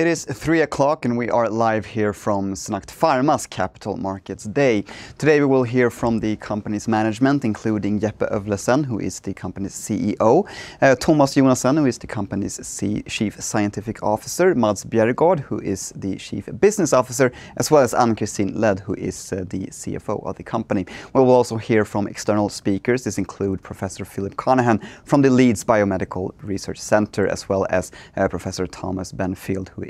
It is 3:00, and we are live here from SynAct Pharma's Capital Markets Day. Today, we will hear from the company's management, including Jeppe Øvlesen, who is the company's CEO, Thomas Jonassen, who is the company's Chief Scientific Officer, Mads Bjerregaard, who is the Chief Business Officer, as well as Anne-Christine Lade, who is the CFO of the company. We will also hear from external speakers. This includes Professor Philip Conaghan from the NIHR Leeds Biomedical Research Centre, as well as Professor Thomas Benfield, who is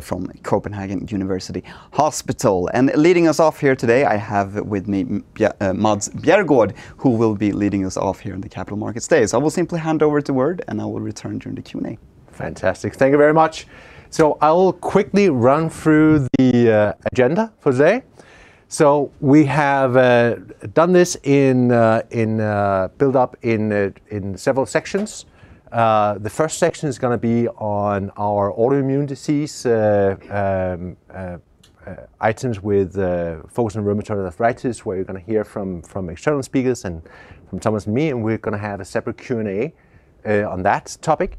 from Copenhagen University Hospital. Leading us off here today, I have with me Mads Bjerregaard, who will be leading us off here in the Capital Markets Day. I will simply hand over the word, and I will return during the Q&A. Fantastic. Thank you very much. I will quickly run through the agenda for today. We have done this in buildup in several sections. The first section is gonna be on our autoimmune disease items with focus on rheumatoid arthritis, where you're gonna hear from external speakers and from Thomas and me, and we're gonna have a separate Q&A on that topic.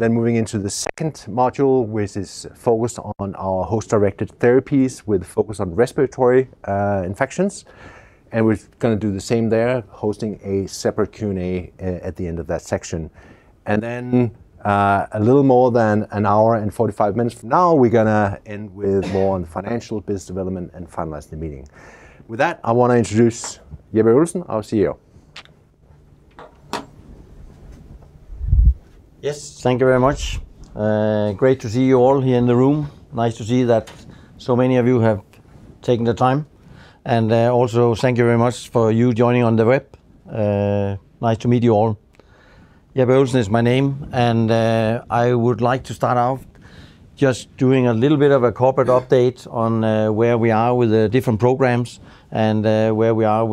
Moving into the second module, which is focused on our host-directed therapies with focus on respiratory infections. We're gonna do the same there, hosting a separate Q&A at the end of that section. A little more than an hour and 45 minutes from now, we're gonna end with more on financial business development and finalize the meeting. With that, I wanna introduce Jeppe Øvlesen, our CEO. Yes. Thank you very much. Great to see you all here in the room. Nice to see that so many of you have taken the time. Also, thank you very much for your joining on the web. Nice to meet you all. Jeppe Øvlesen is my name, and I would like to start out just doing a little bit of a corporate update on where we are with the different programs and where we are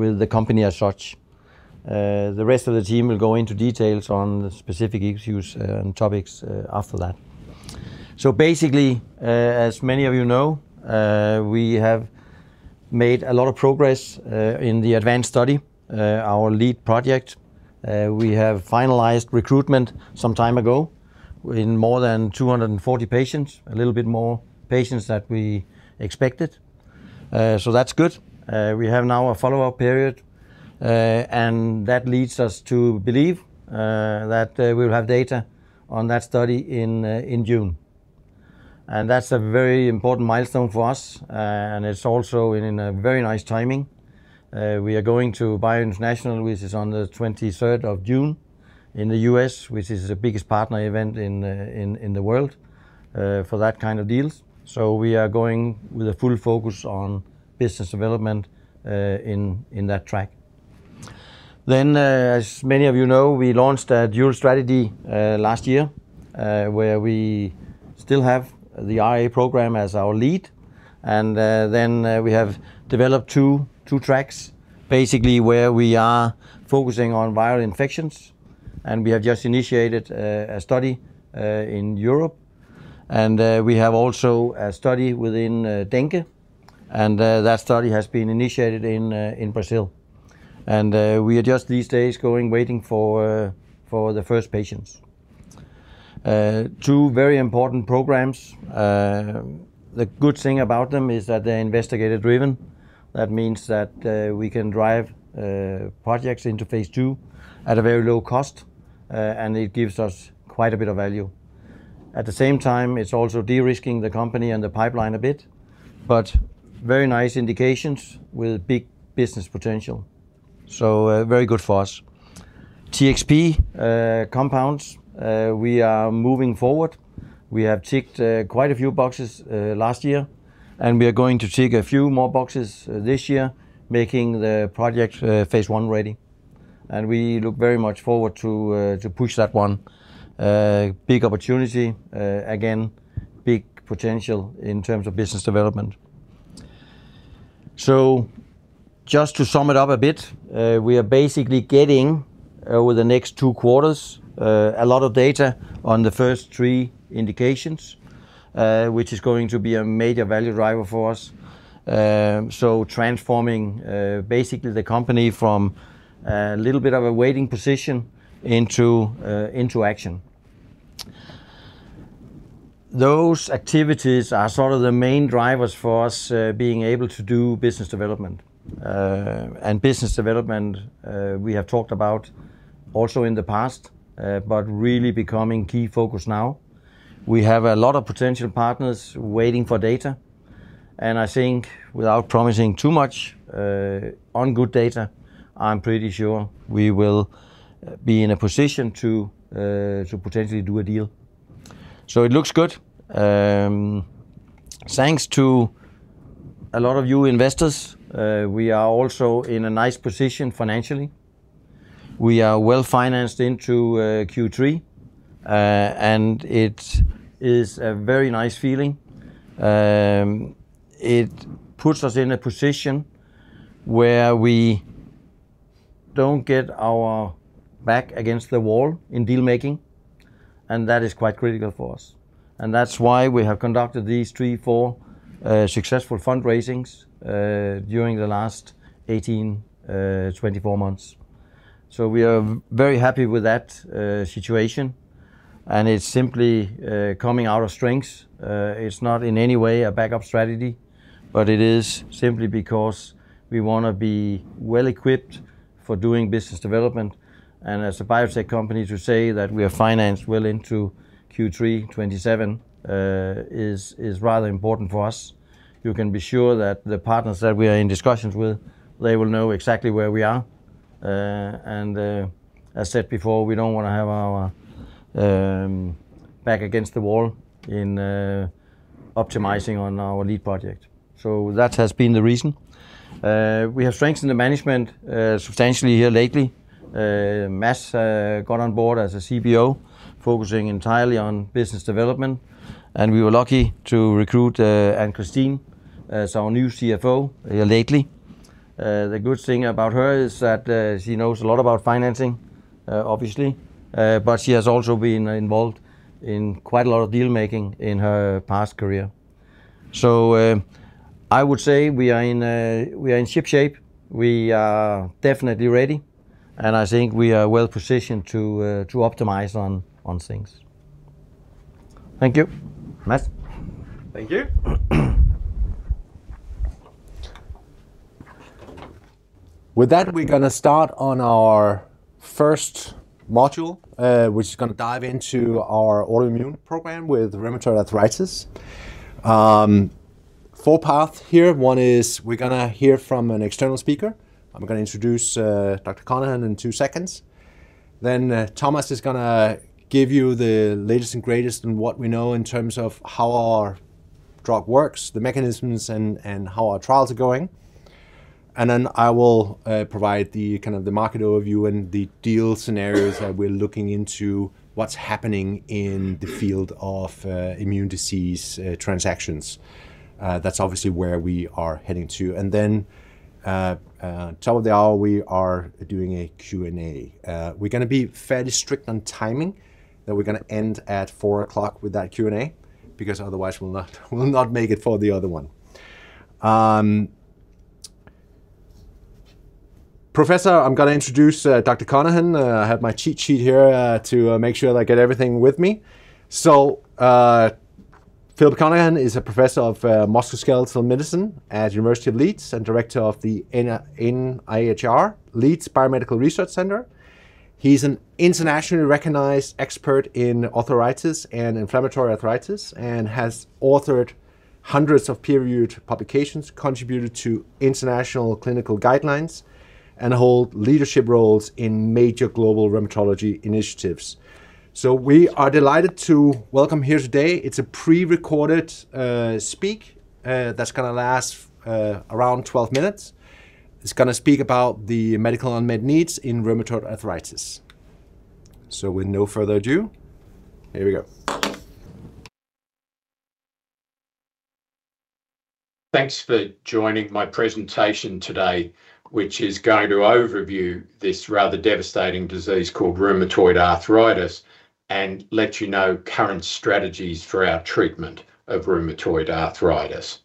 with the company as such. The rest of the team will go into details on the specific issues and topics after that. Basically, as many of you know, we have made a lot of progress in the ADVANCE study, our lead project. We have finalized recruitment some time ago in more than 240 patients, a little bit more patients than we expected. That's good. We have now a follow-up period, and that leads us to believe that we'll have data on that study in June. That's a very important milestone for us, and it's also in a very nice timing. We are going to BIO International, which is on the 23rd of June in the U.S., which is the biggest partner event in the world for that kind of deals. We are going with a full focus on business development in that track. As many of you know, we launched a dual strategy last year where we still have the IA program as our lead. We have developed two tracks, basically, where we are focusing on viral infections. We have just initiated a study in Europe. We have also a study within dengue, and that study has been initiated in Brazil. We are just these days waiting for the first patients. Two very important programs. The good thing about them is that they're investigator-driven. That means that we can drive projects into phase two at a very low cost, and it gives us quite a bit of value. At the same time, it's also de-risking the company and the pipeline a bit, but very nice indications with big business potential. Very good for us. TXP compounds, we are moving forward. We have ticked quite a few boxes last year, and we are going to tick a few more boxes this year, making the project phase one ready. We look very much forward to push that one. Big opportunity, again, big potential in terms of business development. Just to sum it up a bit, we are basically getting over the next two quarters a lot of data on the first three indications, which is going to be a major value driver for us. Transforming basically the company from a little bit of a waiting position into action. Those activities are sort of the main drivers for us, being able to do business development. Business development we have talked about also in the past, but really becoming key focus now. We have a lot of potential partners waiting for data, and I think without promising too much, on good data, I'm pretty sure we will be in a position to potentially do a deal. It looks good. Thanks to a lot of you investors, we are also in a nice position financially. We are well-financed into Q3, and it is a very nice feeling. It puts us in a position where we don't get our back against the wall in deal-making, and that is quite critical for us. That's why we have conducted these three, four successful fundraisings during the last 18-24 months. We are very happy with that situation, and it's simply coming out of strengths. It's not in any way a backup strategy, but it is simply because we wanna be well-equipped for doing business development, and as a biotech company to say that we are financed well into Q3 2027, is rather important for us. You can be sure that the partners that we are in discussions with, they will know exactly where we are, and, as said before, we don't wanna have our back against the wall in optimizing on our lead project. That has been the reason. We have strengthened the management substantially here lately. Mads got on board as a CBO, focusing entirely on business development, and we were lucky to recruit Anne-Christine Lade as our new CFO here lately. The good thing about her is that she knows a lot about financing, obviously, but she has also been involved in quite a lot of deal-making in her past career. I would say we are in shipshape. We are definitely ready, and I think we are well-positioned to optimize on things. Thank you. Thank you. With that, we're gonna start on our first module, which is gonna dive into our autoimmune program with rheumatoid arthritis. Forward path here. One is we're gonna hear from an external speaker. I'm gonna introduce Dr. Conaghan in two seconds. Then, Thomas is gonna give you the latest and greatest in what we know in terms of how our drug works, the mechanisms, and how our trials are going. Then I will provide the kind of the market overview and the deal scenarios that we're looking into what's happening in the field of autoimmune disease transactions. That's obviously where we are heading to. Then, top of the hour, we are doing a Q&A. We're gonna be fairly strict on timing, that we're gonna end at four o'clock with that Q&A, because otherwise we'll not make it for the other one. Professor, I'm gonna introduce Dr. Conaghan. I have my cheat sheet here to make sure that I get everything with me. Philip Conaghan is Professor of Musculoskeletal Medicine at University of Leeds and Director of the NIHR Leeds Biomedical Research Centre. He's an internationally recognized expert in arthritis and inflammatory arthritis and has authored hundreds of peer-reviewed publications, contributed to international clinical guidelines, and hold leadership roles in major global rheumatology initiatives. We are delighted to welcome here today. It's a pre-recorded speech that's gonna last around 12 minutes. It's gonna speak about the medical unmet needs in rheumatoid arthritis. With no further ado, here we go. Thanks for joining my presentation today, which is going to overview this rather devastating disease called rheumatoid arthritis and let you know current strategies for our treatment of rheumatoid arthritis.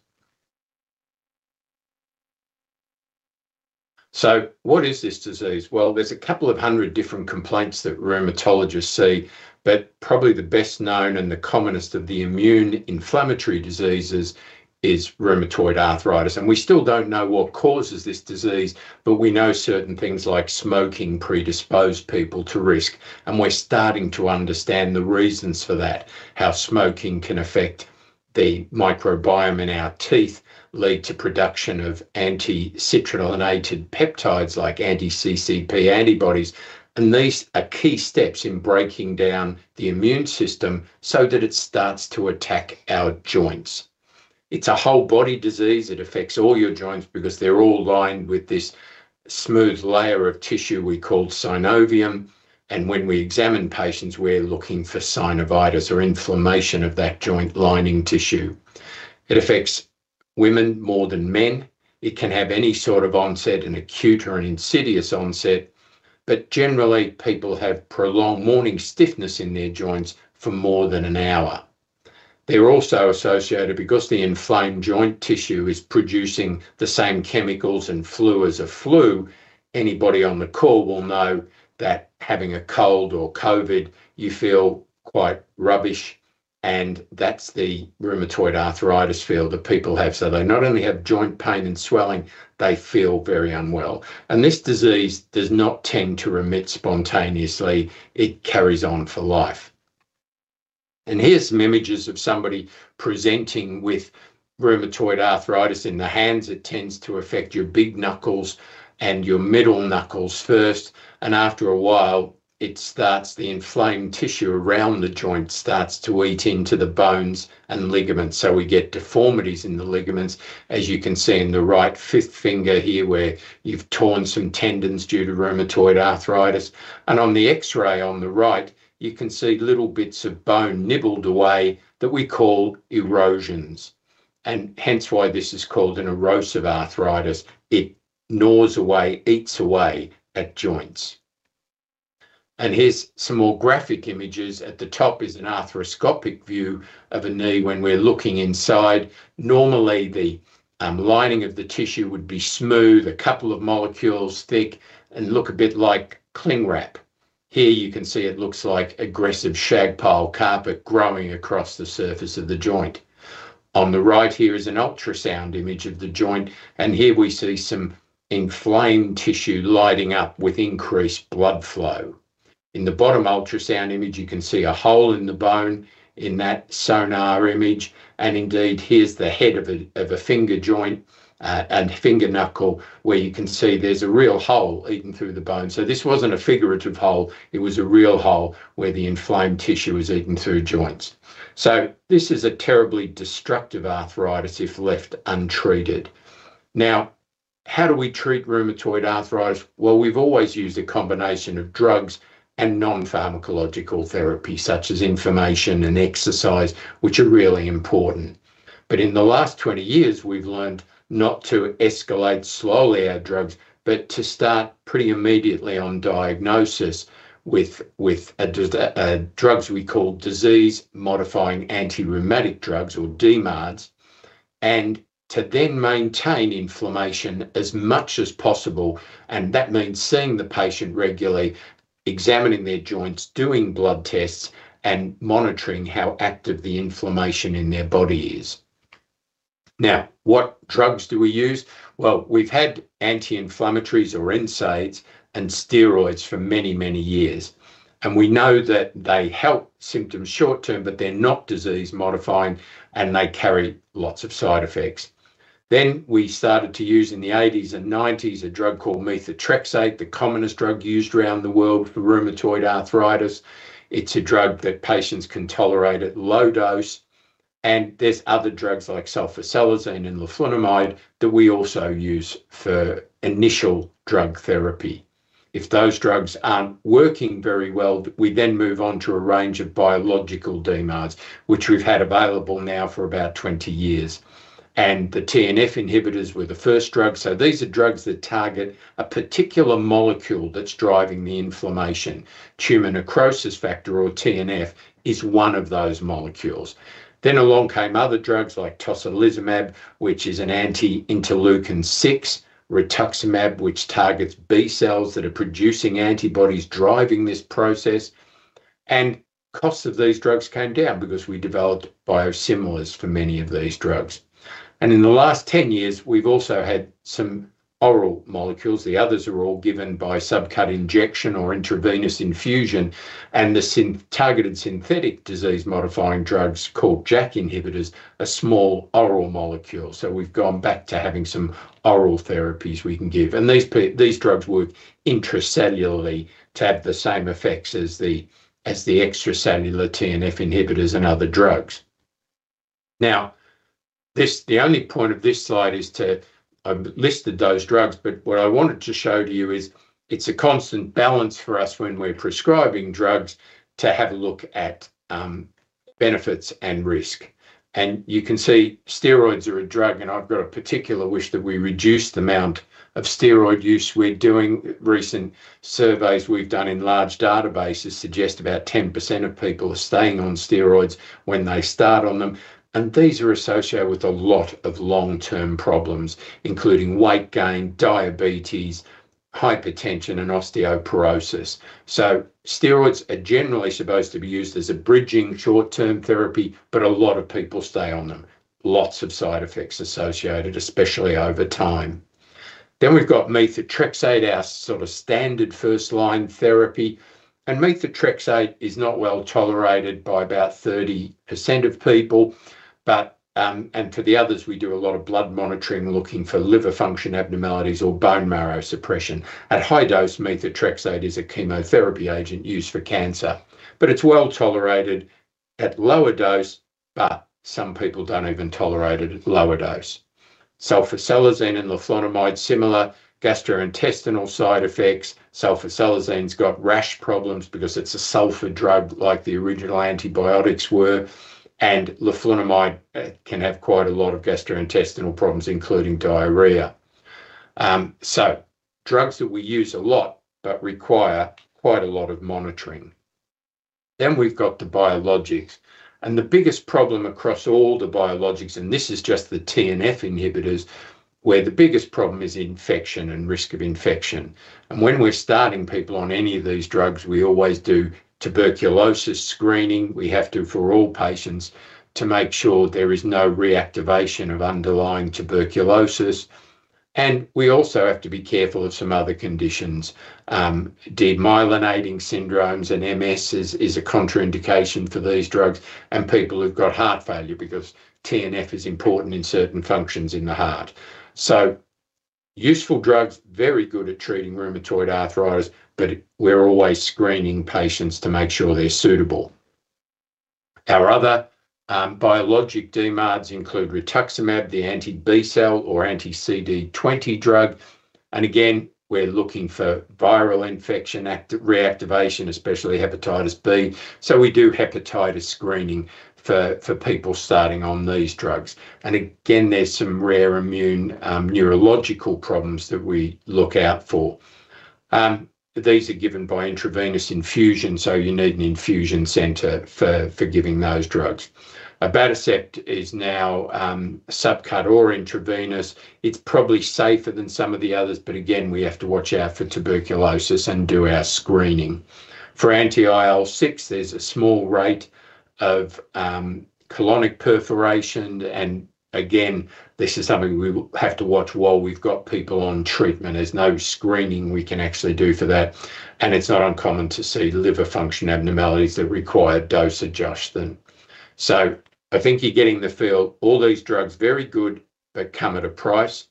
What is this disease? Well, there's a couple of hundred different complaints that rheumatologists see, but probably the best known and the commonest of the immune inflammatory diseases is rheumatoid arthritis, and we still don't know what causes this disease, but we know certain things like smoking predispose people to risk, and we're starting to understand the reasons for that, how smoking can affect the microbiome in our teeth, lead to production of anti-citrullinated peptides like anti-CCP antibodies, and these are key steps in breaking down the immune system so that it starts to attack our joints. It's a whole body disease. It affects all your joints because they're all lined with this smooth layer of tissue we call synovium, and when we examine patients, we're looking for synovitis or inflammation of that joint lining tissue. It affects women more than men. It can have any sort of onset, an acute or an insidious onset, but generally people have prolonged morning stiffness in their joints for more than an hour. They're also associated because the inflamed joint tissue is producing the same chemicals and flu as a flu. Anybody on the call will know that having a cold or COVID, you feel quite rubbish, and that's the rheumatoid arthritis feel that people have. They not only have joint pain and swelling, they feel very unwell, and this disease does not tend to remit spontaneously. It carries on for life. Here's some images of somebody presenting with rheumatoid arthritis in the hands. It tends to affect your big knuckles and your middle knuckles first, and after a while, the inflamed tissue around the joint starts to eat into the bones and ligaments. So we get deformities in the ligaments, as you can see in the right fifth finger here where you've torn some tendons due to rheumatoid arthritis. On the X-ray on the right, you can see little bits of bone nibbled away that we call erosions, and hence why this is called an erosive arthritis. It gnaws away, eats away at joints. Here's some more graphic images. At the top is an arthroscopic view of a knee when we're looking inside. Normally, the lining of the tissue would be smooth, a couple of millimeters thick and look a bit like cling wrap. Here you can see it looks like aggressive shag pile carpet growing across the surface of the joint. On the right here is an ultrasound image of the joint, and here we see some inflamed tissue lighting up with increased blood flow. In the bottom ultrasound image, you can see a hole in the bone in that sonogram image. Indeed, here's the head of a finger joint and finger knuckle, where you can see there's a real hole eaten through the bone. This wasn't a figurative hole, it was a real hole where the inflamed tissue was eaten through joints. This is a terribly destructive arthritis if left untreated. Now, how do we treat rheumatoid arthritis? Well, we've always used a combination of drugs and non-pharmacological therapy, such as physiotherapy and exercise, which are really important. In the last 20 years, we've learned not to escalate slowly our drugs, but to start pretty immediately on diagnosis with drugs we call disease-modifying antirheumatic drugs, or DMARDs, and to then maintain inflammation as much as possible. That means seeing the patient regularly, examining their joints, doing blood tests, and monitoring how active the inflammation in their body is. Now, what drugs do we use? Well, we've had anti-inflammatories or NSAIDs and steroids for many, many years, and we know that they help symptoms short-term, but they're not disease-modifying, and they carry lots of side effects. Then we started to use in the 1980s and 1990s a drug called methotrexate, the commonest drug used around the world for rheumatoid arthritis. It's a drug that patients can tolerate at low dose, and there's other drugs like Sulfasalazine and Leflunomide that we also use for initial drug therapy. If those drugs aren't working very well, we then move on to a range of biological DMARDs, which we've had available now for about 20 years. The TNF inhibitors were the first drugs. These are drugs that target a particular molecule that's driving the inflammation. Tumor necrosis factor, or TNF, is one of those molecules. Along came other drugs like tocilizumab, which is an anti-interleukin 6, rituximab, which targets B cells that are producing antibodies driving this process. Costs of these drugs came down because we developed biosimilars for many of these drugs. In the last 10 years, we've also had some oral molecules. The others are all given by subcut injection or intravenous infusion, and the targeted synthetic disease-modifying drugs called JAK inhibitors are small oral molecules. We've gone back to having some oral therapies we can give. These drugs work intracellularly to have the same effects as the extracellular TNF inhibitors and other drugs. Now, the only point of this slide is to list those drugs, but what I wanted to show to you is it's a constant balance for us when we're prescribing drugs to have a look at benefits and risk. You can see steroids are a drug, and I've got a particular wish that we reduce the amount of steroid use we're doing. Recent surveys we've done in large databases suggest about 10% of people are staying on steroids when they start on them, and these are associated with a lot of long-term problems, including weight gain, diabetes, hypertension, and osteoporosis. Steroids are generally supposed to be used as a bridging short-term therapy, but a lot of people stay on them. Lots of side effects associated, especially over time. We've got methotrexate, our sort of standard first-line therapy. Methotrexate is not well tolerated by about 30% of people. For the others, we do a lot of blood monitoring, looking for liver function abnormalities or bone marrow suppression. At high dose, Methotrexate is a chemotherapy agent used for cancer, but it's well tolerated at lower dose, but some people don't even tolerate it at lower dose. Sulfasalazine and Leflunomide, similar gastrointestinal side effects. Sulfasalazine's got rash problems because it's a sulfur drug like the original antibiotics were, and leflunomide can have quite a lot of gastrointestinal problems, including diarrhea. Drugs that we use a lot but require quite a lot of monitoring. We've got the biologics. The biggest problem across all the biologics, and this is just the TNF inhibitors, where the biggest problem is infection and risk of infection. When we're starting people on any of these drugs, we always do tuberculosis screening. We have to for all patients to make sure there is no reactivation of underlying tuberculosis, and we also have to be careful of some other conditions. Demyelinating syndromes and MS is a contraindication for these drugs and people who've got heart failure because TNF is important in certain functions in the heart. Useful drugs, very good at treating rheumatoid arthritis, but we're always screening patients to make sure they're suitable. Our other biologic DMARDs include Rituximab, the Anti-B cell or Anti-CD20 drug. Again, we're looking for viral infection reactivation, especially Hepatitis B, so we do hepatitis screening for people starting on these drugs. Again, there's some rare immune neurological problems that we look out for. These are given by intravenous infusion, so you need an infusion center for giving those drugs. Abatacept is now subcut or Intravenous. It's probably safer than some of the others, but again, we have to watch out for tuberculosis and do our screening. For Anti-IL-6, there's a small rate of colonic perforation. Again, this is something we will have to watch while we've got people on treatment. There's no screening we can actually do for that, and it's not uncommon to see liver function abnormalities that require dose adjustment. I think you're getting the feel. All these drugs, very good, but come at a price.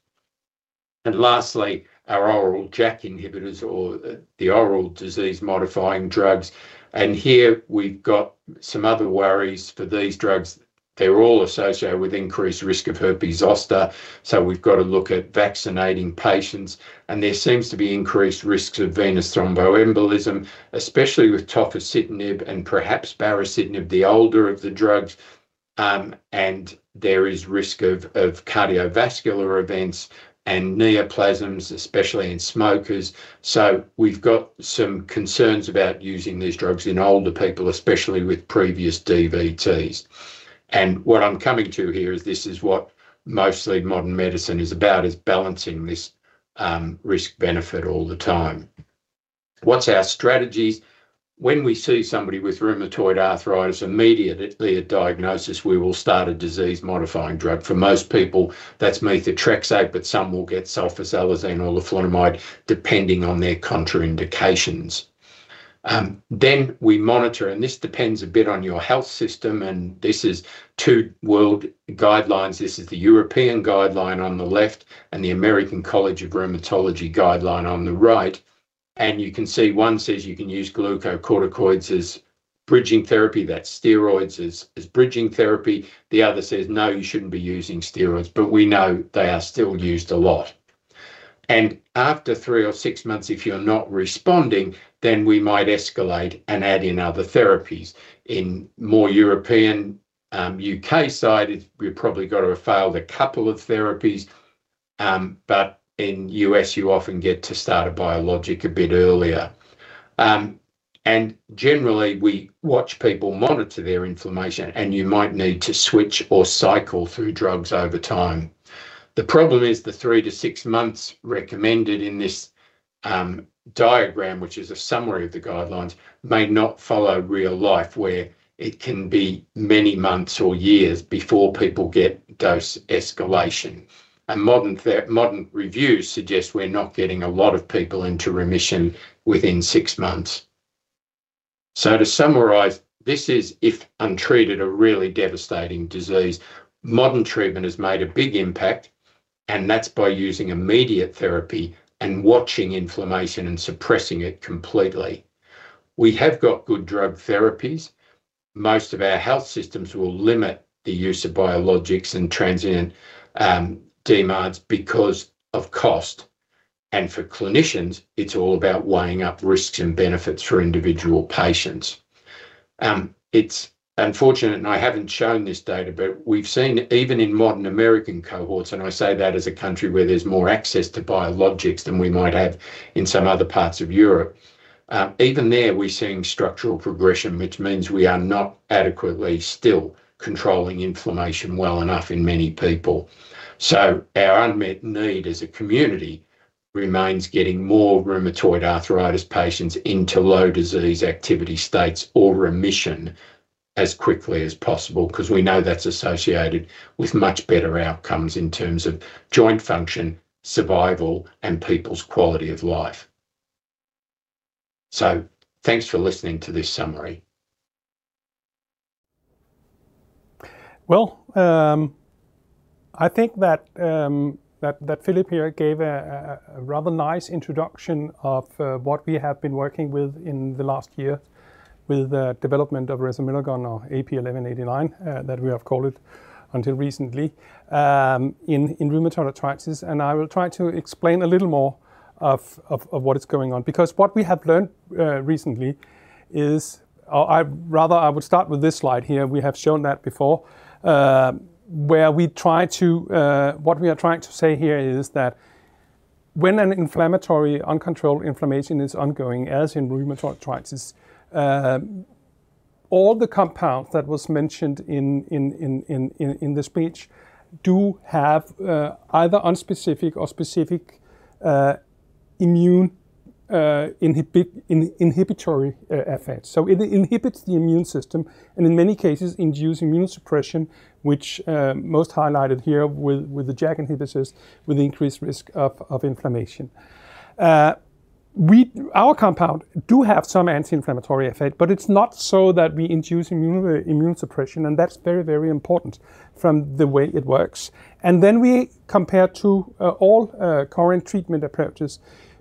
Lastly, our oral JAK inhibitors or the oral disease-modifying drugs. Here we've got some other worries for these drugs. They're all associated with increased risk of herpes zoster, so we've gotta look at vaccinating patients, and there seems to be increased risks of Venous thromboembolism, especially with Tofacitinib and perhaps Baricitinib, the older of the drugs. There is risk of cardiovascular events and neoplasms, especially in smokers. We've got some concerns about using these drugs in older people, especially with previous DVTs. What I'm coming to here is this is what mostly modern medicine is about, is balancing this, risk-benefit all the time. What's our strategies? When we see somebody with rheumatoid arthritis, immediately at diagnosis, we will start a disease-modifying drug. For most people, that's Methotrexate, but some will get Sulfasalazine or Leflunomide, depending on their contraindications. Then we monitor, and this depends a bit on your health system, and this is two world guidelines. This is the European guideline on the left and the American College of Rheumatology guideline on the right. You can see one says you can use Glucocorticoids as bridging therapy, that's steroids as bridging therapy. The other says, no, you shouldn't be using steroids, but we know they are still used a lot. After three or six months, if you're not responding, then we might escalate and add in other therapies. In more European, U.K. side, we've probably gotta have failed a couple of therapies, but in U.S., you often get to start a biologic a bit earlier. Generally, we watch people monitor their inflammation, and you might need to switch or cycle through drugs over time. The problem is the 3-6 months recommended in this, diagram, which is a summary of the guidelines, may not follow real life, where it can be many months or years before people get dose escalation. Modern reviews suggest we're not getting a lot of people into remission within six months. To summarize, this is, if untreated, a really devastating disease. Modern treatment has made a big impact, and that's by using immediate therapy and watching inflammation and suppressing it completely. We have got good drug therapies. Most of our health systems will limit the use of biologics and targeted DMARDs because of cost. For clinicians, it's all about weighing up risks and benefits for individual patients. It's unfortunate, and I haven't shown this data, but we've seen even in modern American cohorts, and I say that as a country where there's more access to biologics than we might have in some other parts of Europe, even there we're seeing structural progression, which means we are not adequately still controlling inflammation well enough in many people. Our unmet need as a community remains getting more rheumatoid arthritis patients into low disease activity states or remission as quickly as possible 'cause we know that's associated with much better outcomes in terms of joint function, survival, and people's quality of life. Thanks for listening to this summary. Well, I think that that Philip here gave a rather nice introduction of what we have been working with in the last year with the development of Resomelagon or AP1189, that we have called it until recently, in rheumatoid arthritis. I will try to explain a little more of what is going on because what we have learned recently is rather I would start with this slide here, we have shown that before, where we try to. What we are trying to say here is that when an inflammatory, uncontrolled inflammation is ongoing, as in rheumatoid arthritis, all the compounds that was mentioned in the speech do have either unspecific or specific, immune, inhibitory effects. It inhibits the immune system and in many cases induce immune suppression, which most highlighted here with the JAK inhibitors, with increased risk of inflammation. Our compound do have some anti-inflammatory effect, but it's not so that we induce immune suppression, and that's very important from the way it works. We compare to all current treatment approaches.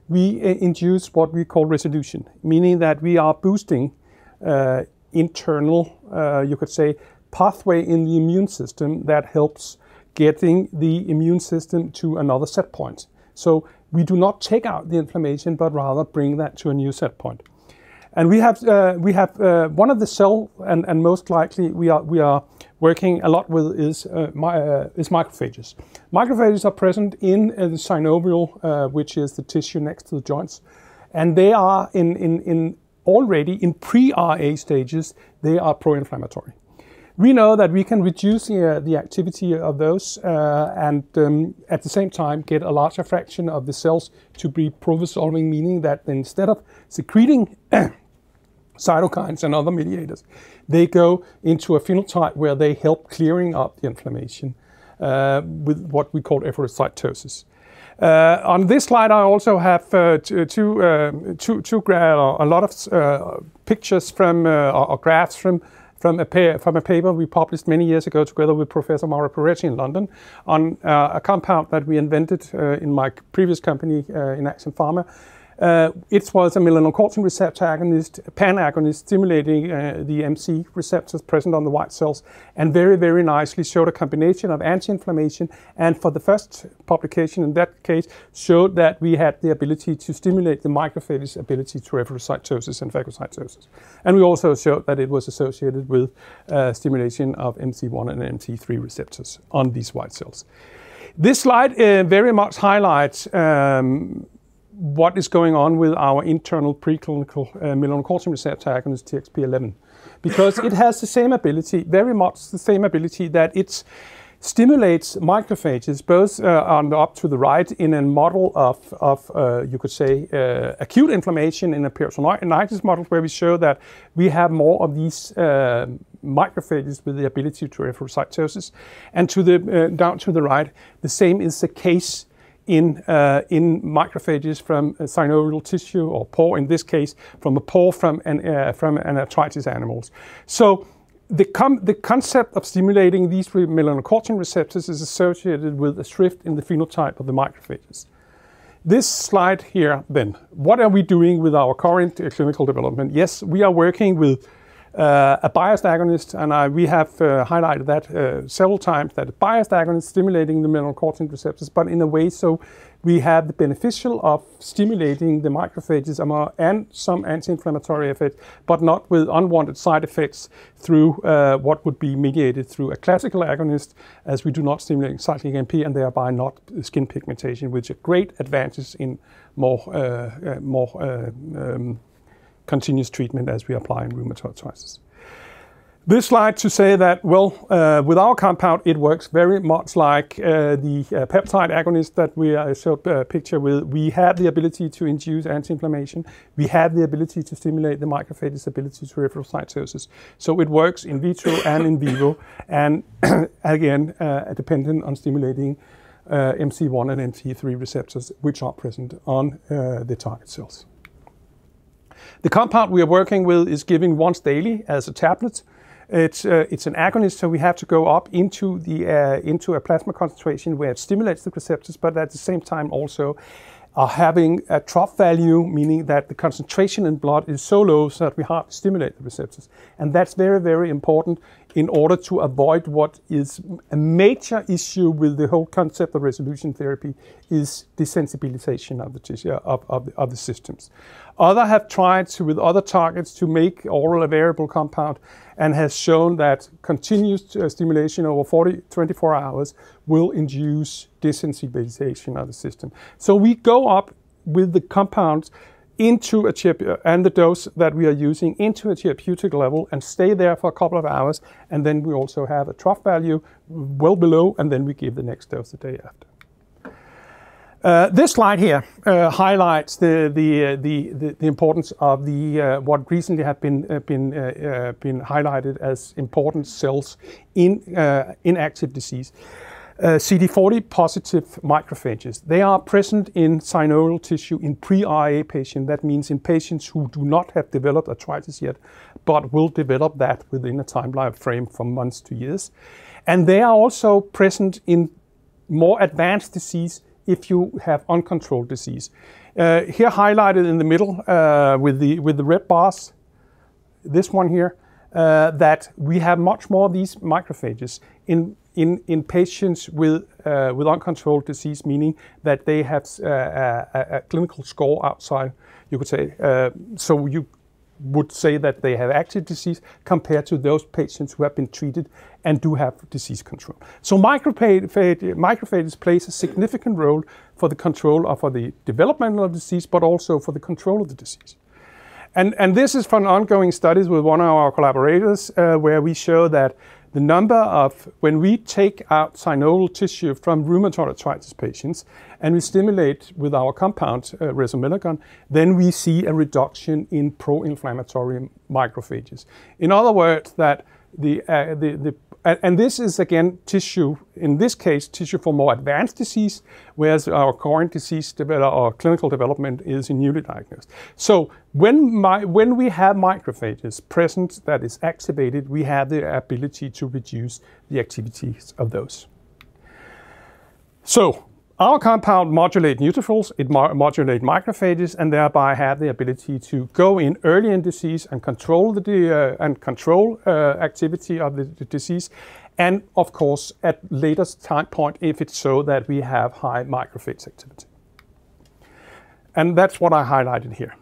We induce what we call resolution, meaning that we are boosting internal, you could say, pathway in the immune system that helps getting the immune system to another set point. We do not take out the inflammation, but rather bring that to a new set point. We have one of the cell and most likely we are working a lot with is macrophages. Macrophages are present in the synovium, which is the tissue next to the joints. They are pro-inflammatory already in pre-RA stages. We know that we can reduce the activity of those and at the same time get a larger fraction of the cells to be pro-resolving, meaning that instead of secreting cytokines and other mediators, they go into a phenotype where they help clearing up the inflammation with what we call efferocytosis. On this slide, I also have a lot of pictures or graphs from a paper we published many years ago together with Professor Mauro Perretti in London on a compound that we invented in my previous company in Action Pharma. It was a melanocortin receptor agonist, pan agonist stimulating the MC receptors present on the white cells and very nicely showed a combination of anti-inflammatory and for the first publication in that case, showed that we had the ability to stimulate the macrophage ability to efferocytosis and phagocytosis. We also showed that it was associated with stimulation of MC1 and MC3 receptors on these white cells. This slide very much highlights what is going on with our internal preclinical melanocortin receptor agonist, TXP-11. Because it has the same ability, very much the same ability that it stimulates macrophages both on the up to the right in a model of you could say acute inflammation in a peritonitis model where we show that we have more of these macrophages with the ability to efferocytosis. To the down to the right, the same is the case in macrophages from synovial tissue or paw in this case, from a paw from an arthritis animals. The concept of stimulating these three melanocortin receptors is associated with a shift in the phenotype of the macrophages. This slide here then, what are we doing with our current clinical development? Yes, we are working with a biased agonist, and we have highlighted that several times that a biased agonist stimulating the melanocortin receptors, but in a way so we have the beneficial of stimulating the macrophages and some anti-inflammatory effect, but not with unwanted side effects through what would be mediated through a classical agonist as we do not stimulate cyclic AMP and thereby not skin pigmentation, which a great advantage in more, more continuous treatment as we apply in rheumatoid arthritis. This slide to say that, well, with our compound, it works very much like the peptide agonist that we showed a picture with. We have the ability to induce anti-inflammation. We have the ability to stimulate the macrophage's ability to efferocytosis. It works in vitro and in vivo, and again, dependent on stimulating MC1 and MC3 receptors, which are present on the target cells. The compound we are working with is given once daily as a tablet. It's an agonist, so we have to go up into a plasma concentration where it stimulates the receptors, but at the same time also are having a trough value, meaning that the concentration in blood is so low so that we hardly stimulate the receptors. That's very, very important in order to avoid what is a major issue with the whole concept of resolution therapy is desensitization of the systems. Others have tried to, with other targets, to make oral available compound and has shown that continuous stimulation over 24 hours will induce desensitization of the system. We go up with the compounds into a therapeutic level and the dose that we are using into a therapeutic level and stay there for a couple of hours, and then we also have a trough value well below, and then we give the next dose the day after. This slide here highlights the importance of the what recently have been highlighted as important cells in active disease. CD40 positive macrophages, they are present in synovial tissue in pre-RA patient. That means in patients who do not have developed arthritis yet but will develop that within a time frame from months to years. They are also present in more advanced disease if you have uncontrolled disease. Here highlighted in the middle, with the red bars, this one here, that we have much more of these macrophages in patients with uncontrolled disease, meaning that they have a clinical score outside, you could say, so you would say that they have active disease compared to those patients who have been treated and do have disease control. Macrophages plays a significant role for the control of or the development of disease, but also for the control of the disease. This is from ongoing studies with one of our collaborators, where we show that when we take out synovial tissue from rheumatoid arthritis patients, and we stimulate with our compound, resomelagon, then we see a reduction in pro-inflammatory macrophages. In other words, that the and this is again tissue, in this case, tissue for more advanced disease, whereas our current disease or clinical development is in newly diagnosed. When we have macrophages present that is activated, we have the ability to reduce the activities of those. Our compound modulates neutrophils, it modulates macrophages, and thereby has the ability to go in early in disease and control activity of the disease and of course, at later time point, if it's so that we have high macrophage activity. That's what I highlighted here.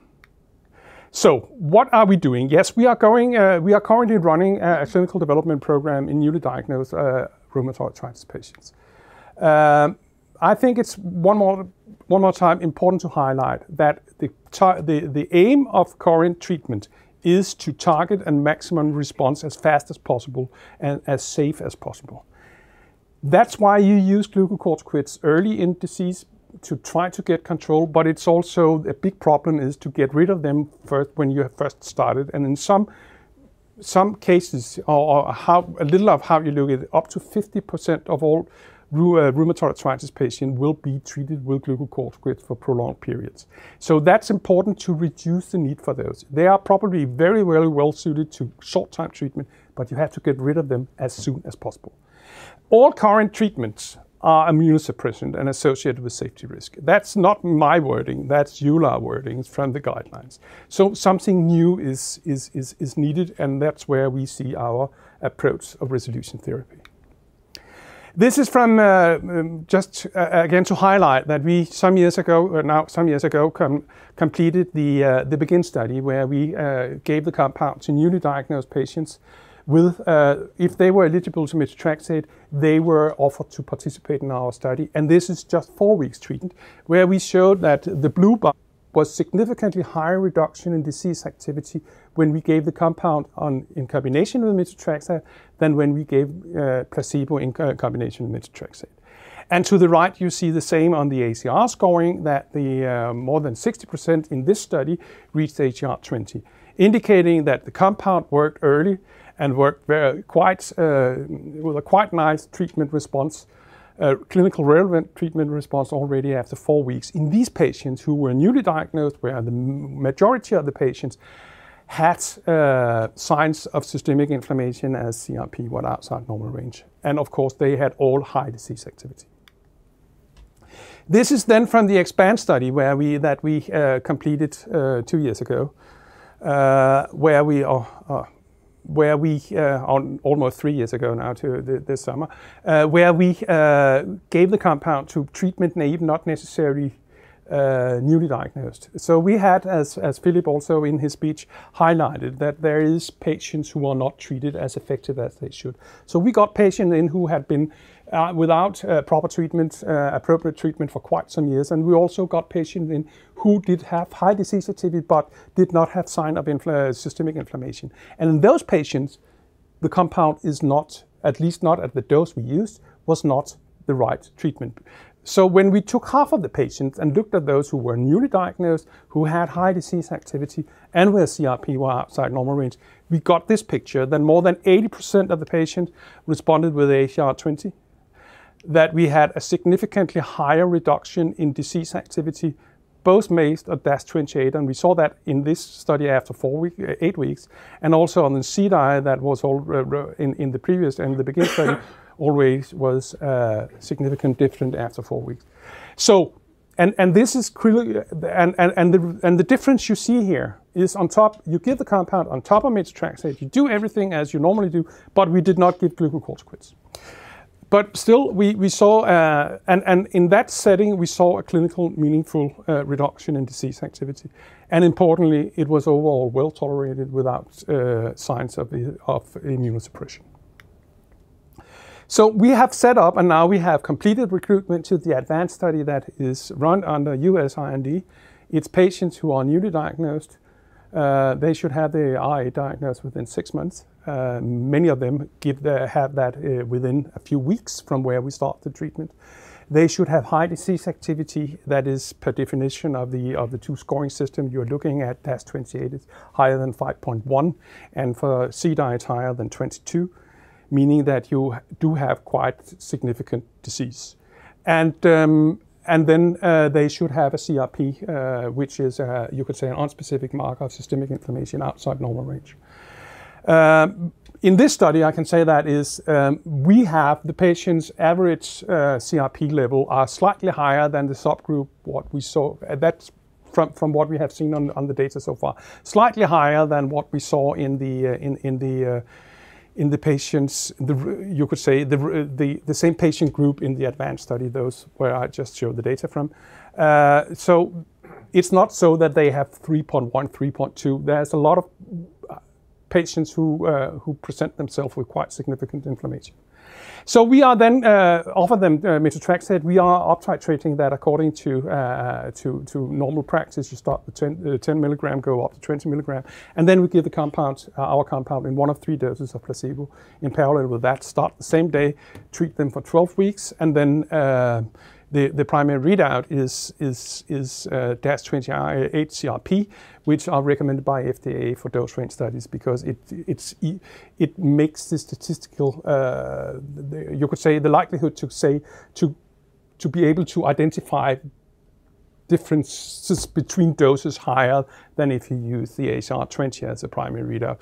What are we doing? Yes, we are currently running a clinical development program in newly diagnosed rheumatoid arthritis patients. I think it's one more time important to highlight that the aim of current treatment is to target a maximum response as fast as possible and as safe as possible. That's why you use Glucocorticoids early in disease to try to get control, but it's also a big problem is to get rid of them when you have first started and in some cases or how a little of how you look at up to 50% of all rheumatoid arthritis patient will be treated with Glucocorticoids for prolonged periods. That's important to reduce the need for those. They are probably very well-suited to short-time treatment, but you have to get rid of them as soon as possible. All current treatments are immunosuppressant and associated with safety risk. That's not my wording, that's EULAR wording from the guidelines. Something new is needed, and that's where we see our approach of resolution therapy. This is from, just, again to highlight that we some years ago completed the BEGIN study where we gave the compound to newly diagnosed patients with, if they were eligible to methotrexate they were offered to participate in our study. This is just four weeks treatment where we showed that the blue bar was significantly higher reduction in disease activity when we gave the compound in combination with Methotrexate than when we gave placebo in combination with Methotrexate. To the right you see the same on the ACR scoring that the more than 60% in this study reached ACR20 indicating that the compound worked early and worked very quickly with a quite nice treatment response, clinically relevant treatment response already after four weeks in these patients who were newly diagnosed where the majority of the patients had signs of systemic inflammation as CRP were outside normal range. Of course, they had all high disease activity. This is then from the EXPAND study where we completed two years ago, where we on almost three years ago now to this summer, where we gave the compound to treatment-naïve, not necessarily newly diagnosed. We had, as Philip Conaghan also in his speech highlighted that there is patients who are not treated as effective as they should. We got patient in who had been without proper treatment, appropriate treatment for quite some years, and we also got patient in who did have high disease activity but did not have sign of systemic inflammation. In those patients, the compound is not, at least not at the dose we used, was not the right treatment. When we took half of the patients and looked at those who were newly diagnosed, who had high disease activity and where CRP were outside normal range, we got this picture. Then more than 80% of the patients responded with ACR20 that we had a significantly higher reduction in disease activity, both DAS or DAS28, and we saw that in this study after four weeks, eight weeks and also on the CDAI that was always in the previous and the BEGIN study always was significantly different after four weeks. And this is clinically and the difference you see here is on top. You give the compound on top of methotrexate, you do everything as you normally do, but we did not give glucocorticoids. Still we saw in that setting a clinically meaningful reduction in disease activity. Importantly, it was overall well-tolerated without signs of immunosuppression. We have set up and now we have completed recruitment to the ADVANCE study that is run under U.S. IND. It's patients who are newly diagnosed, they should have the RA diagnosed within six months. Many of them have that within a few weeks from where we start the treatment. They should have high disease activity. That is by definition of the two scoring systems you're looking at, DAS28 is higher than 5.1, and for CDAI it's higher than 22, meaning that you do have quite significant disease. They should have a CRP, which is you could say a non-specific marker of systemic inflammation outside normal range. In this study I can say that is we have the patients average CRP level are slightly higher than the subgroup what we saw. That's from what we have seen on the data so far, slightly higher than what we saw in the patients. You could say the same patient group in the ADVANCE study, those where I just showed the data from. It's not so that they have 3.1, 3.2, there's a lot of patients who present themselves with quite significant inflammation. We then offer them methotrexate. We are uptitrating that according to normal practice. You start the 10 milligram, go up to 20 milligram, and then we give the compound, our compound in one of three doses or placebo in parallel with that start the same day, treat them for 12 weeks. The primary readout is DAS28-CRP, which are recommended by FDA for dose range studies because it makes the statistical, you could say the likelihood to be able to identify differences between doses higher than if you use the ACR20 as a primary readout.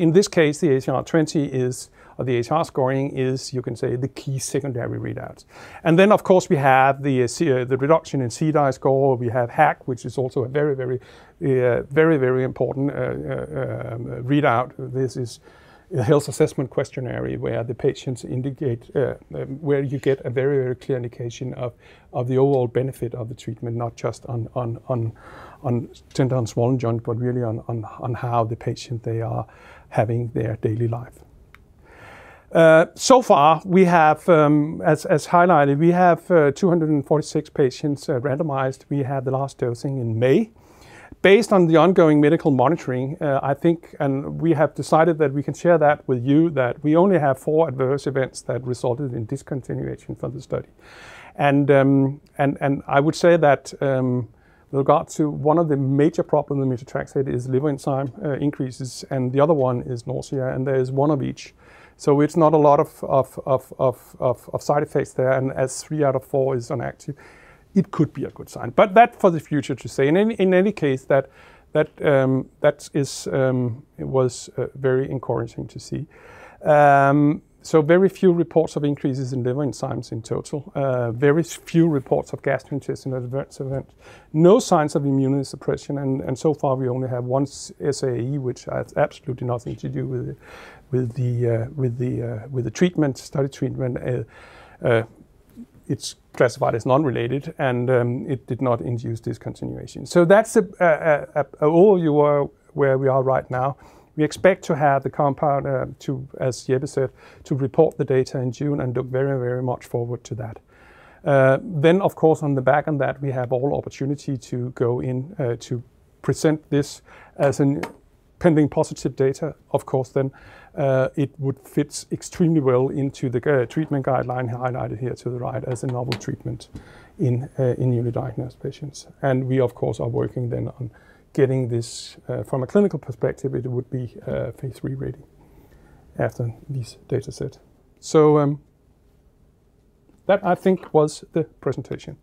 In this case, the ACR20 is, or the ACR scoring is, you can say the key secondary readouts. Of course we have the reduction in CDAI score. We have HAQ, which is also a very important readout. This is a health assessment questionnaire where the patients indicate where you get a very clear indication of the overall benefit of the treatment, not just on tender and swollen joint, but really on how the patient they are having their daily life. So far we have, as highlighted, 246 patients randomized. We had the last dosing in May. Based on the ongoing medical monitoring, I think, and we have decided that we can share that with you that we only have four adverse events that resulted in discontinuation from the study. I would say that regard to one of the major problem with methotrexate is liver enzyme increases, and the other one is nausea, and there is one of each. It's not a lot of side effects there. As three out of four is inactive, it could be a good sign. That for the future to say. In any case, that is, it was very encouraging to see. Very few reports of increases in liver enzymes in total. Very few reports of gastrointestinal adverse event. No signs of immunosuppression, and so far we only have one SAE, which has absolutely nothing to do with the study treatment. It's classified as non-related, and it did not induce discontinuation. That's all we have where we are right now. We expect to have the compound, as Jeppe said, to report the data in June and look very, very much forward to that. Then of course, on the back of that, we have an opportunity to go in to present this assuming positive data. Of course then, it would fit extremely well into the treatment guideline highlighted here to the right as a novel treatment in newly diagnosed patients. We of course are working then on getting this. From a clinical perspective, it would be Phase three ready after this data set. That I think was the presentation.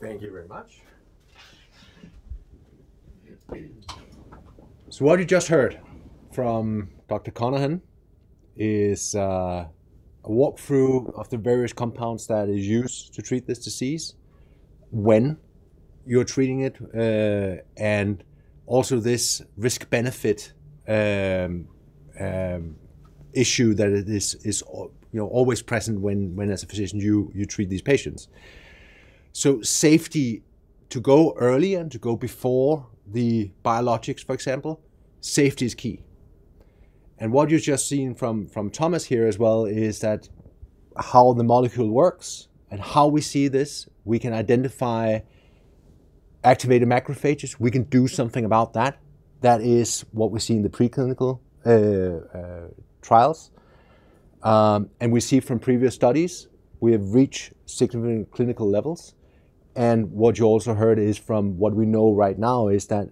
Thank you very much. What you just heard from Dr. Conaghan is a walkthrough of the various compounds that is used to treat this disease, when you're treating it, and also this risk-benefit issue that is, you know, always present when as a physician you treat these patients. Safety to go early and to go before the biologics, for example, safety is key. What you've just seen from Thomas here as well is that how the molecule works and how we see this, we can identify activated macrophages. We can do something about that. That is what we see in the preclinical trials. We see from previous studies, we have reached significant clinical levels. What you also heard is from what we know right now is that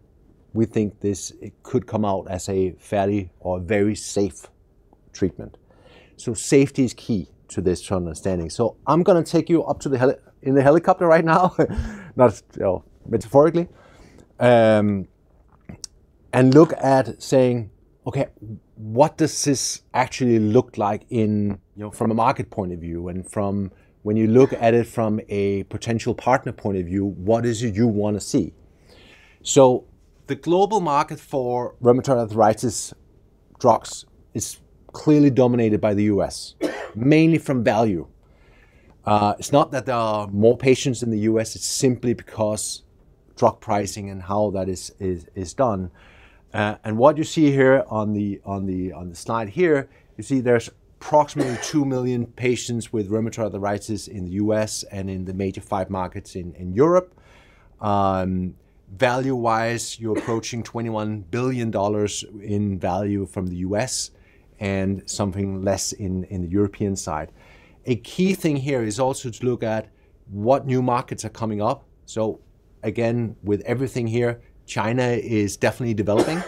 we think this could come out as a fairly or very safe treatment. Safety is key to this understanding. I'm gonna take you up to the helicopter right now, not, you know, metaphorically, and look at saying, okay, what does this actually look like in, you know, from a market point of view and from when you look at it from a potential partner point of view, what is it you wanna see? The global market for rheumatoid arthritis drugs is clearly dominated by the U.S., mainly from value. It's not that there are more patients in the U.S., it's simply because drug pricing and how that is done. What you see here on the slide here, you see there's approximately two million patients with rheumatoid arthritis in the U.S. and in the major five markets in Europe. Value-wise, you're approaching $21 billion in value from the U.S. and something less in the European side. A key thing here is also to look at what new markets are coming up. Again, with everything here, China is definitely developing.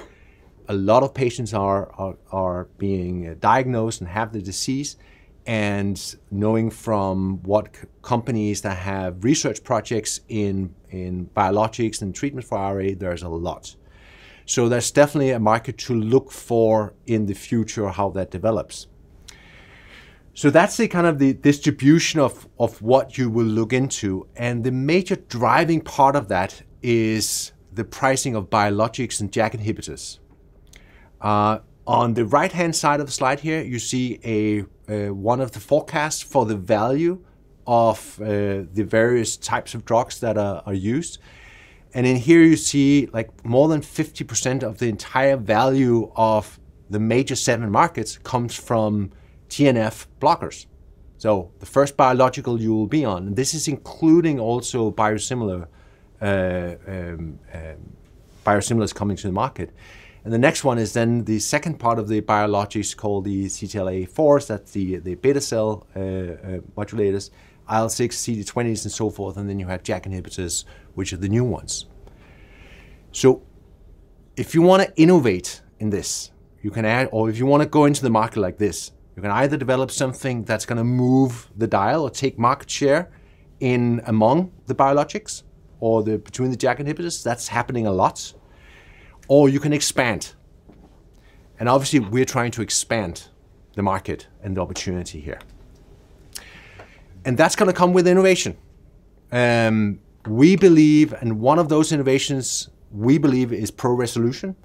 A lot of patients are being diagnosed and have the disease, and knowing from what companies that have research projects in biologics and treatment for RA, there is a lot. There's definitely a market to look for in the future how that develops. That's the kind of the distribution of what you will look into. The major driving part of that is the pricing of biologics and JAK inhibitors. On the right-hand side of the slide here, you see one of the forecasts for the value of the various types of drugs that are used. In here you see like more than 50% of the entire value of the major seven markets comes from TNF blockers. The first biological you will be on, this is including also biosimilars coming to the market. The next one is then the second part of the biologics called the CTLA-4, that's the B-cell modulators, IL-6, CD20s and so forth, and then you have JAK inhibitors, which are the new ones. If you wanna innovate in this, you can add, or if you wanna go into the market like this, you can either develop something that's gonna move the dial or take market share among the biologics or between the JAK inhibitors, that's happening a lot, or you can expand. Obviously we're trying to expand the market and the opportunity here. That's gonna come with innovation. We believe one of those innovations is pro-resolution.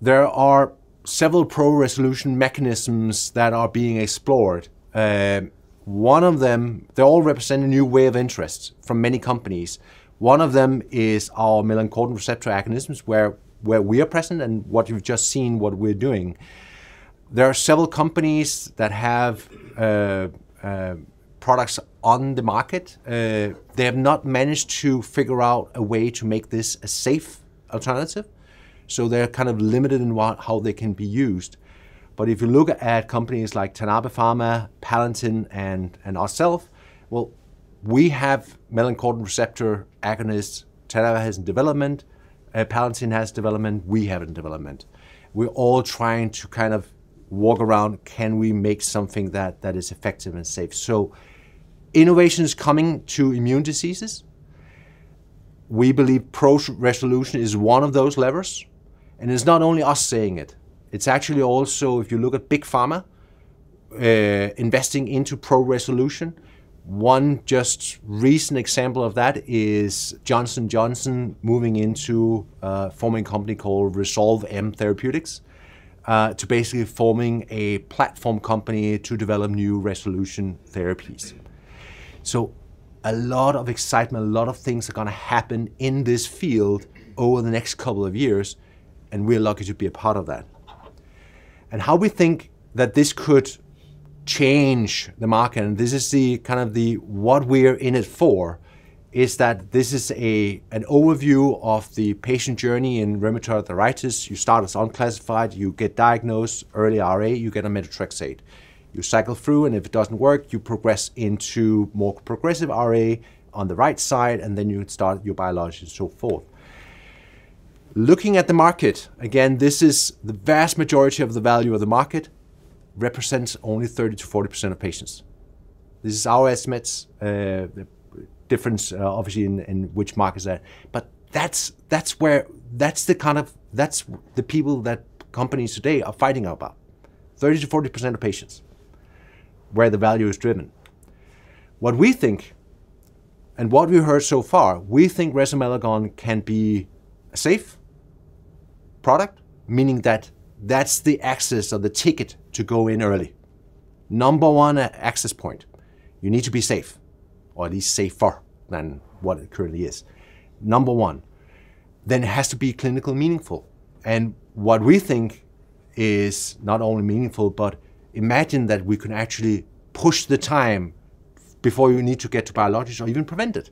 There are several pro-resolution mechanisms that are being explored. One of them. They all represent a new area of interest from many companies. One of them is our melanocortin receptor agonists where we are present and what you've just seen we're doing. There are several companies that have products on the market. They have not managed to figure out a way to make this a safe alternative, so they're kind of limited in how they can be used. If you look at companies like Tanabe Pharma, Palatin, and ourselves, well, we have melanocortin receptor agonists, Tanabe has in development, Palatin has development, we have it in development. We're all trying to kind of walk around, can we make something that is effective and safe? Innovation is coming to immune diseases. We believe pro-resolution is one of those levers, and it's not only us saying it. It's actually also, if you look at big pharma, investing into pro-resolution, one just recent example of that is Johnson & Johnson moving into forming a company called Resolve M Therapeutics, to basically forming a platform company to develop new resolution therapies. A lot of excitement, a lot of things are gonna happen in this field over the next couple of years, and we're lucky to be a part of that. How we think that this could change the market, and this is the kind of what we're in it for, is that this is a, an overview of the patient journey in rheumatoid arthritis. You start as unclassified, you get diagnosed early RA, you get a methotrexate. You cycle through, and if it doesn't work, you progress into more progressive RA on the right side, and then you would start your biologics and so forth. Looking at the market, again, this is the vast majority of the value of the market represents only 30%-40% of patients. This is our estimates, the difference obviously in which market is that. That's where, that's the kind of people that companies today are fighting about, 30%-40% of patients where the value is driven. What we think and what we heard so far, we think Resomelagon can be a safe product, meaning that that's the access or the ticket to go in early. Number one access point, you need to be safe, or at least safer than what it currently is. Number one, then it has to be clinically meaningful. What we think is not only meaningful, but imagine that we can actually push the time before you need to get to biologics or even prevent it.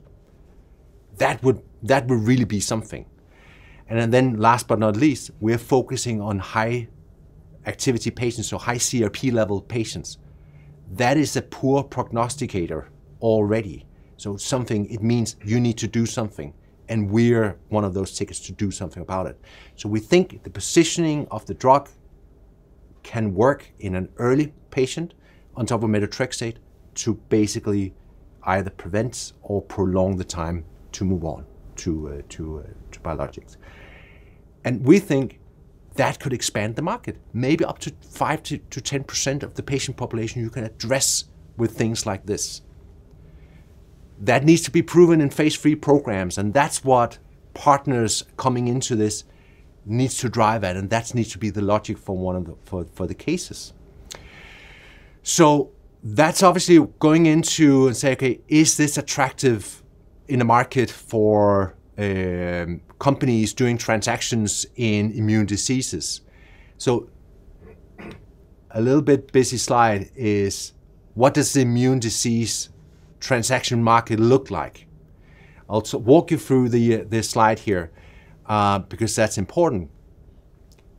That would really be something. Then last but not least, we're focusing on high activity patients or high CRP level patients. That is a poor prognosticator already. Something, it means you need to do something, and we're one of those tickets to do something about it. We think the positioning of the drug can work in an early patient on top of methotrexate to basically either prevent or prolong the time to move on to biologics. We think that could expand the market maybe up to 5%-10% of the patient population you can address with things like this. That needs to be proven in phase III programs, and that's what partners coming into this needs to drive at, and that needs to be the logic for one of the cases. That's obviously going into and say, okay, is this attractive in a market for companies doing transactions in immune diseases? A little bit busy slide is what does the autoimmune disease transaction market look like? I'll walk you through the slide here, because that's important.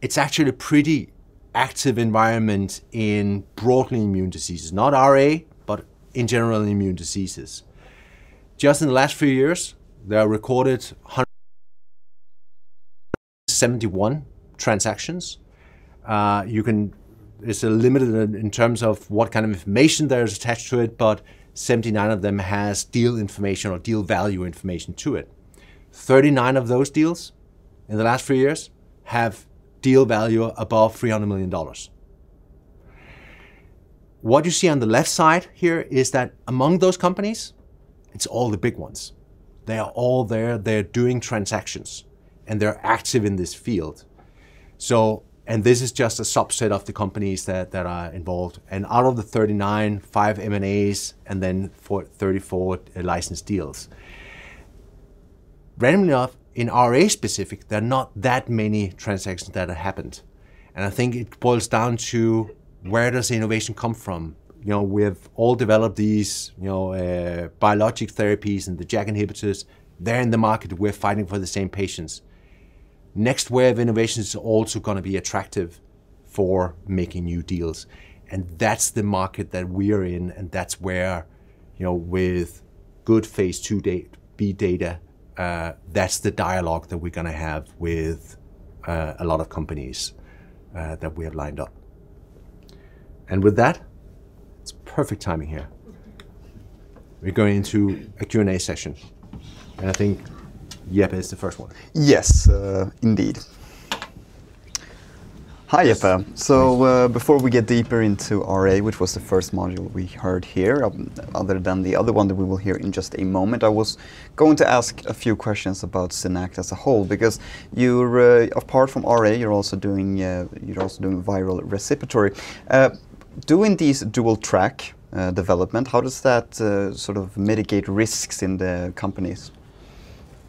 It's actually a pretty active environment in broadly autoimmune diseases, not RA, but in general autoimmune diseases. Just in the last few years, there are recorded 171 transactions. It's limited in terms of what kind of information that is attached to it, but 79 of them has deal information or deal value information to it. 39 of those deals in the last few years have deal value above $300 million. What you see on the left side here is that among those companies, it's all the big ones. They are all there, they're doing transactions, and they're active in this field. This is just a subset of the companies that are involved. Out of the 39, five M&As, and then 34 license deals. Randomly enough, in RA specific, there are not that many transactions that have happened. I think it boils down to where does the innovation come from? You know, we have all developed these, you know, biologic therapies and the JAK inhibitors. They're in the market. We're fighting for the same patients. Next wave of innovation is also gonna be attractive for making new deals. That's the market that we are in, and that's where, you know, with good phase IIb data, that's the dialogue that we're gonna have with a lot of companies that we have lined up. With that, it's perfect timing here. We're going into a Q&A session. I think Jeppe is the first one. Yes, indeed. Hi, Jeppe. Hi. Before we get deeper into RA, which was the first module we heard here, other than the other one that we will hear in just a moment, I was going to ask a few questions about SynAct as a whole, because you're apart from RA, you're also doing viral respiratory. Doing these dual track development, how does that sort of mitigate risks in the company?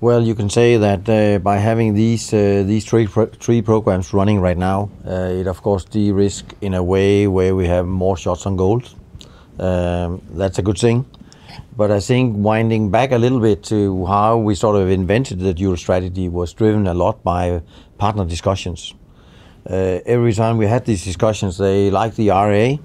Well, you can say that by having these three programs running right now, it of course de-risk in a way where we have more shots on goals. That's a good thing. I think winding back a little bit to how we sort of invented the dual strategy was driven a lot by partner discussions. Every time we had these discussions, they liked the RA,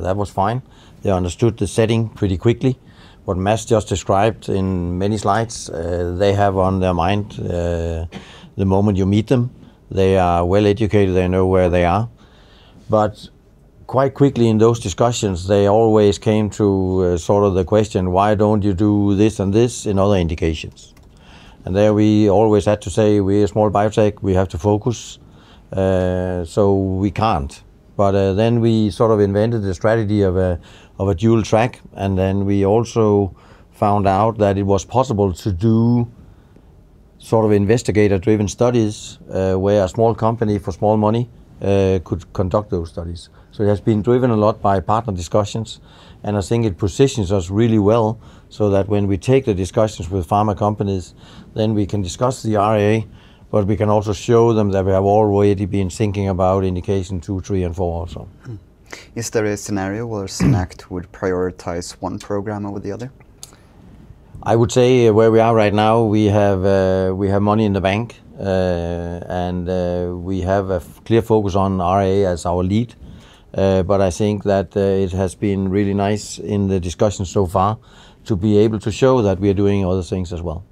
that was fine. They understood the setting pretty quickly. What Mads just described in many slides, they have on their mind the moment you meet them. They are well-educated. They know where they are. But quite quickly in those discussions, they always came to sort of the question, "Why don't you do this and this in other indications?" There we always had to say, "We're a small biotech, we have to focus. We can't. We sort of invented the strategy of a dual track, and we also found out that it was possible to do sort of investigator-driven studies, where a small company for small money could conduct those studies. It has been driven a lot by partner discussions. I think it positions us really well so that when we take the discussions with pharma companies, we can discuss the RA, but we can also show them that we have already been thinking about indication two, three, and four also. Is there a scenario where SynAct would prioritize one program over the other? I would say where we are right now, we have money in the bank. We have a clear focus on RA as our lead. I think that it has been really nice in the discussions so far to be able to show that we are doing other things as well.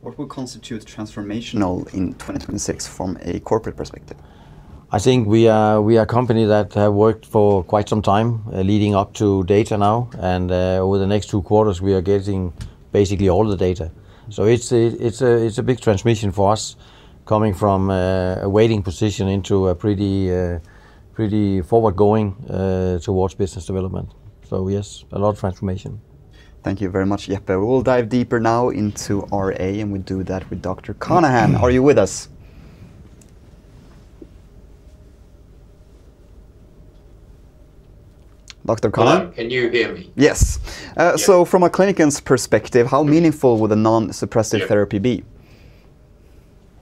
What would constitute transformational in 2026 from a corporate perspective? I think we are a company that have worked for quite some time, leading up to data now, and over the next two quarters we are getting basically all the data. It's a big transition for us coming from a waiting position into a pretty forward going towards business development. Yes, a lot of transformation. Thank you very much, Jeppe. We will dive deeper now into RA, and we do that with Dr. Connaghan. Are you with us? Dr. Connaghan? Hello. Can you hear me? Yes. Yeah. From a clinician's perspective, how meaningful would a non-suppressive therapy be?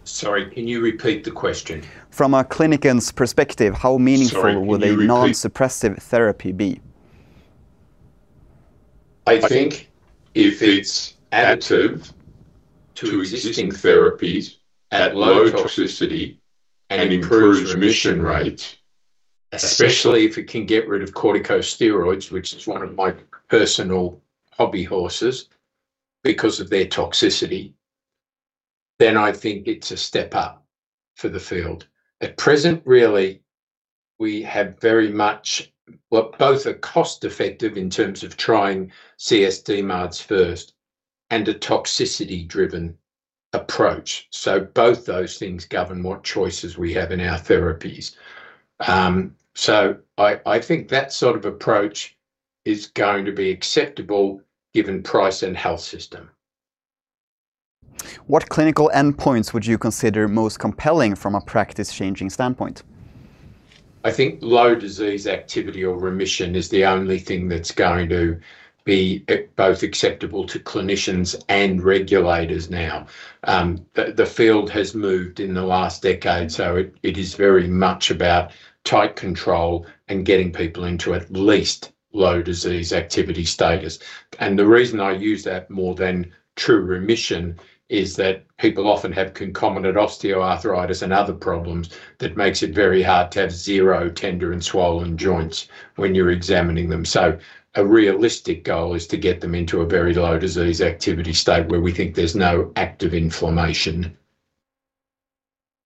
Sorry, can you repeat the question? From a clinician's perspective, how meaningful? Sorry, can you repeat. Would a non-suppressive therapy be? I think if it's additive to existing therapies at low toxicity and improves remission rates, especially if it can get rid of corticosteroids, which is one of my personal hobby horses because of their toxicity, then I think it's a step up for the field. At present really, we have very much what boils down to cost-effective in terms of trying csDMARDs first, and a toxicity-driven approach. Both those things govern what choices we have in our therapies. I think that sort of approach is going to be acceptable given price and health system. What clinical endpoints would you consider most compelling from a practice changing standpoint? I think low disease activity or remission is the only thing that's going to be both acceptable to clinicians and regulators now. The field has moved in the last decade, so it is very much about tight control and getting people into at least low disease activity status. The reason I use that more than true remission is that people often have concomitant Osteoarthritis and other problems that makes it very hard to have zero tender and swollen joints when you're examining them. A realistic goal is to get them into a very low disease activity state where we think there's no active inflammation.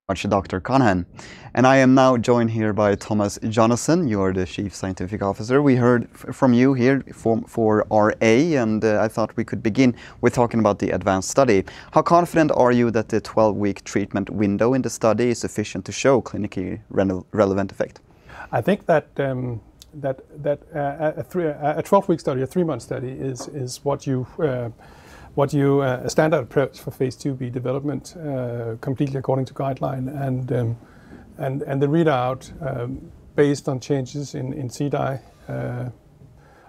Thank you, Dr. Connaghan. I am now joined here by Thomas Jonassen. You're the Chief Scientific Officer. We heard from you here for RA, and I thought we could begin with talking about the ADVANCE study. How confident are you that the 12-week treatment window in the study is sufficient to show clinically relevant effect? I think that a 12-week study, a three-month study is the standard prep for phase 2b development, completely according to guideline. The readout based on changes in CDAI,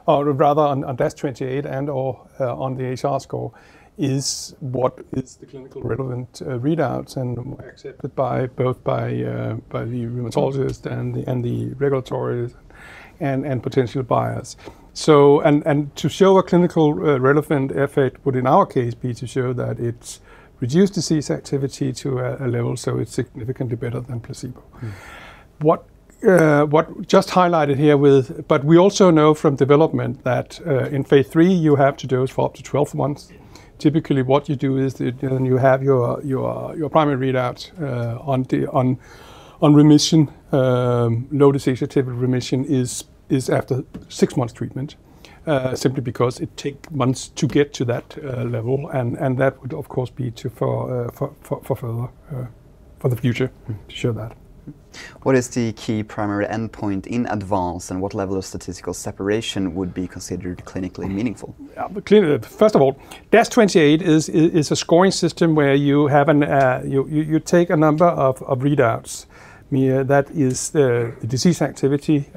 or rather on DAS28 and/or on the HAQ score is what is the clinically relevant readouts and accepted by both the rheumatologist and the regulatory and potential buyers. To show a clinically relevant effect would in our case be to show that it's reduced disease activity to a level, so it's significantly better than placebo. Mm-hmm. We also know from development that in Phase three you have to dose for up to 12 months. Typically what you do is, and you have your primary readout on the remission. Low disease activity remission is after six months treatment simply because it take months to get to that level. That would of course be for the future to show that. What is the key primary endpoint in ADVANCE, and what level of statistical separation would be considered clinically meaningful? Clearly, first of all, DAS28 is a scoring system where you take a number of readouts. I mean, that is the disease activity,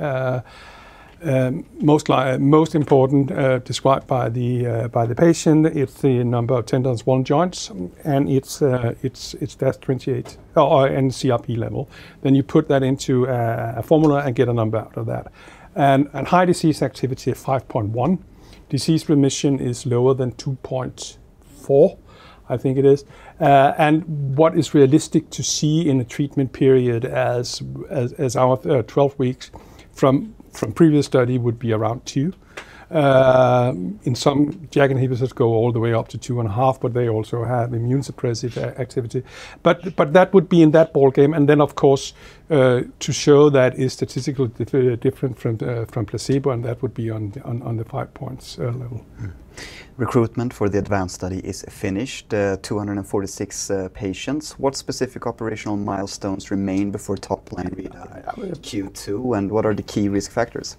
most important, described by the patient, it's the number of tender and swollen joints, and it's DAS28 and CRP level. Then you put that into a formula and get a number out of that. High disease activity of 5.1. Disease remission is lower than 2.4, I think it is. What is realistic to see in a treatment period as our 12 weeks from previous study would be around two. In some JAK inhibitors go all the way up to 2.5, but they also have immunosuppressive activity. that would be in that ball game. Of course, to show that is statistically different from placebo, and that would be on the five points level. Recruitment for the ADVANCE study is finished, 246 patients. What specific operational milestones remain before top line read, Q2, and what are the key risk factors?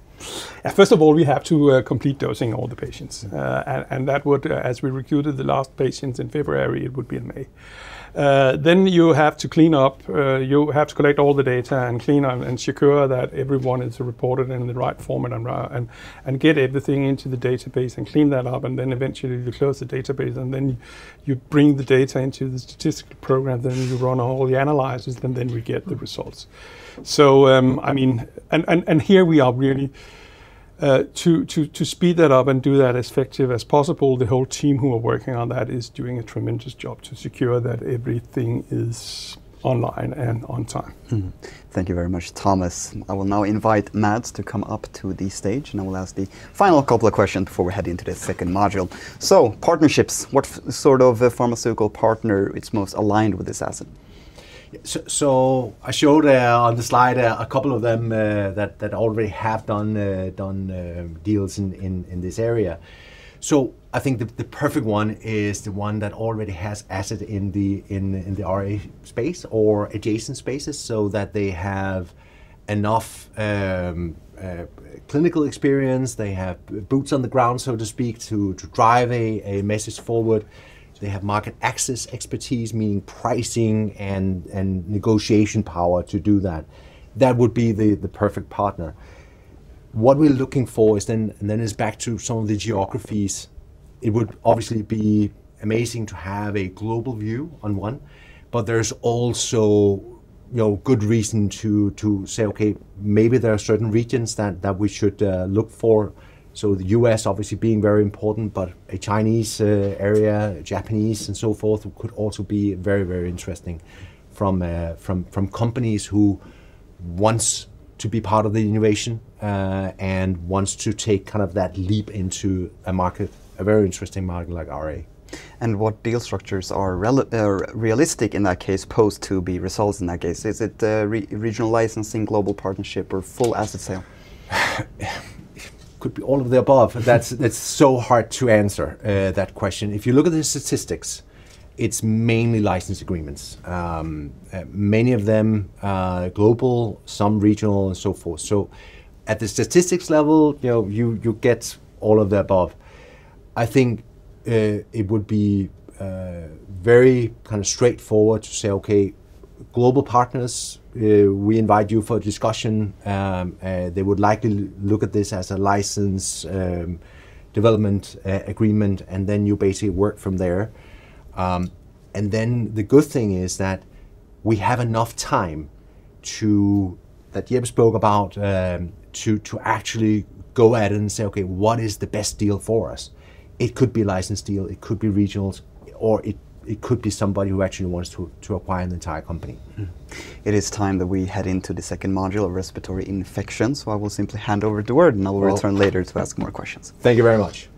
First of all, we have to complete dosing all the patients. That would, as we recruited the last patients in February, it would be in May. You have to clean up, you have to collect all the data and clean up and secure that everyone is reported in the right format and get everything into the database and clean that up, and then eventually you close the database, and then you bring the data into the statistical program, then you run all the analyses, and then we get the results. I mean. Here we are really to speed that up and do that as effective as possible, the whole team who are working on that is doing a tremendous job to secure that everything is online and on time. Thank you very much, Thomas. I will now invite Mads to come up to the stage, and I will ask the final couple of questions before we head into the second module. Partnerships, what sort of a pharmaceutical partner is most aligned with this asset? I showed on the slide a couple of them that already have done deals in this area. I think the perfect one is the one that already has asset in the RA space or adjacent spaces so that they have enough clinical experience, they have boots on the ground, so to speak, to drive a message forward. They have market access expertise, meaning pricing and negotiation power to do that. That would be the perfect partner. What we're looking for is then, and then it's back to some of the geographies. It would obviously be amazing to have a global view on one, but there's also, you know, good reason to say, okay, maybe there are certain regions that we should look for. The U.S. obviously being very important, but Chinese, European, Japanese and so forth could also be very, very interesting from companies who wants to be part of the innovation and wants to take kind of that leap into a market, a very interesting market like RA. What deal structures are realistic in that case supposed to be results in that case? Is it regional licensing, global partnership or full asset sale? Could be all of the above. That's. It's so hard to answer that question. If you look at the statistics, it's mainly license agreements. Many of them global, some regional and so forth. At the statistics level, you know, you get all of the above. I think it would be very kind of straightforward to say, okay, global partners, we invite you for discussion. They would likely look at this as a license development agreement, and then you basically work from there. And then the good thing is that we have enough time that Jeppe spoke about to actually go ahead and say, okay, what is the best deal for us? It could be licensing deal, it could be regional deals, or it could be somebody who actually wants to acquire an entire company. It is time that we head into the second module, respiratory infections. I will simply hand over the word, and I will return later to ask more questions. Thank you very much.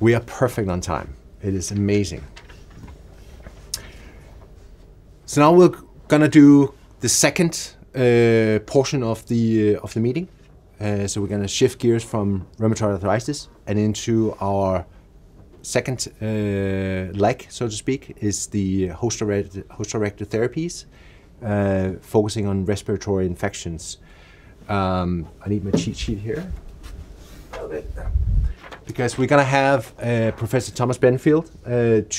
We are right on time. It is amazing. Now we're gonna do the second portion of the meeting. We're gonna shift gears from rheumatoid arthritis and into our second leg, so to speak, is the host-directed therapies, focusing on respiratory infections. I need my cheat sheet here. Love it. Because we're gonna have Professor Thomas Benfield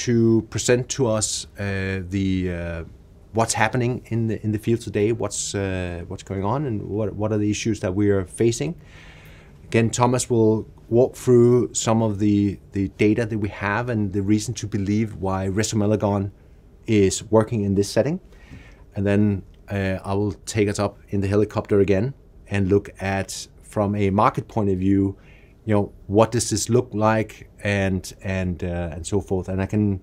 to present to us the what's happening in the field today, what's going on, and what are the issues that we are facing. Again, Thomas will walk through some of the data that we have and the reason to believe why Resomelagon is working in this setting. Then, I will take us up in the helicopter again and look at from a market point of view, you know, what does this look like and so forth. I can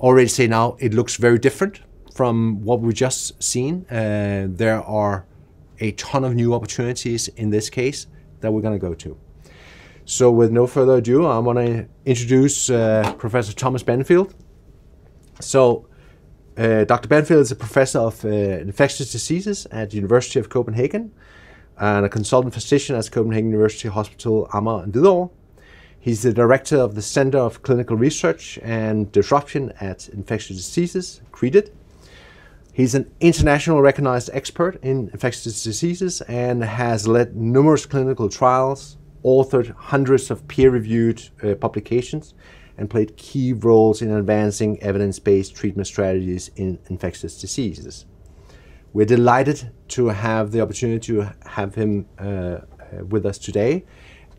already say now it looks very different from what we've just seen. There are a ton of new opportunities in this case that we're gonna go to. With no further ado, I wanna introduce Professor Thomas Benfield. Dr. Benfield is a professor of infectious diseases at the University of Copenhagen and a consultant physician at Copenhagen University Hospital, Amager and Hvidovre. He's the director of the Center of Research & Disruption of Infectious Diseases, CREDID. He's an internationally recognized expert in infectious diseases and has led numerous clinical trials, authored hundreds of peer-reviewed publications, and played key roles in advancing evidence-based treatment strategies in infectious diseases. We're delighted to have the opportunity to have him with us today,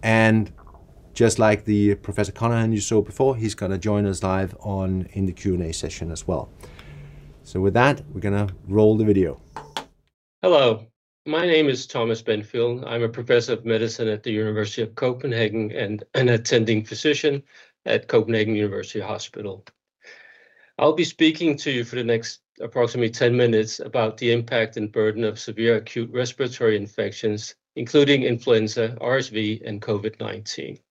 and just like the Professor Conaghan you saw before, he's gonna join us live online in the Q&A session as well. With that, we're gonna roll the video. Hello. My name is Thomas Benfield. I'm a professor of medicine at the University of Copenhagen and an attending physician at Copenhagen University Hospital. I'll be speaking to you for the next approximately 10 minutes about the impact and burden of severe acute respiratory infections, including influenza, RSV, and COVID-19.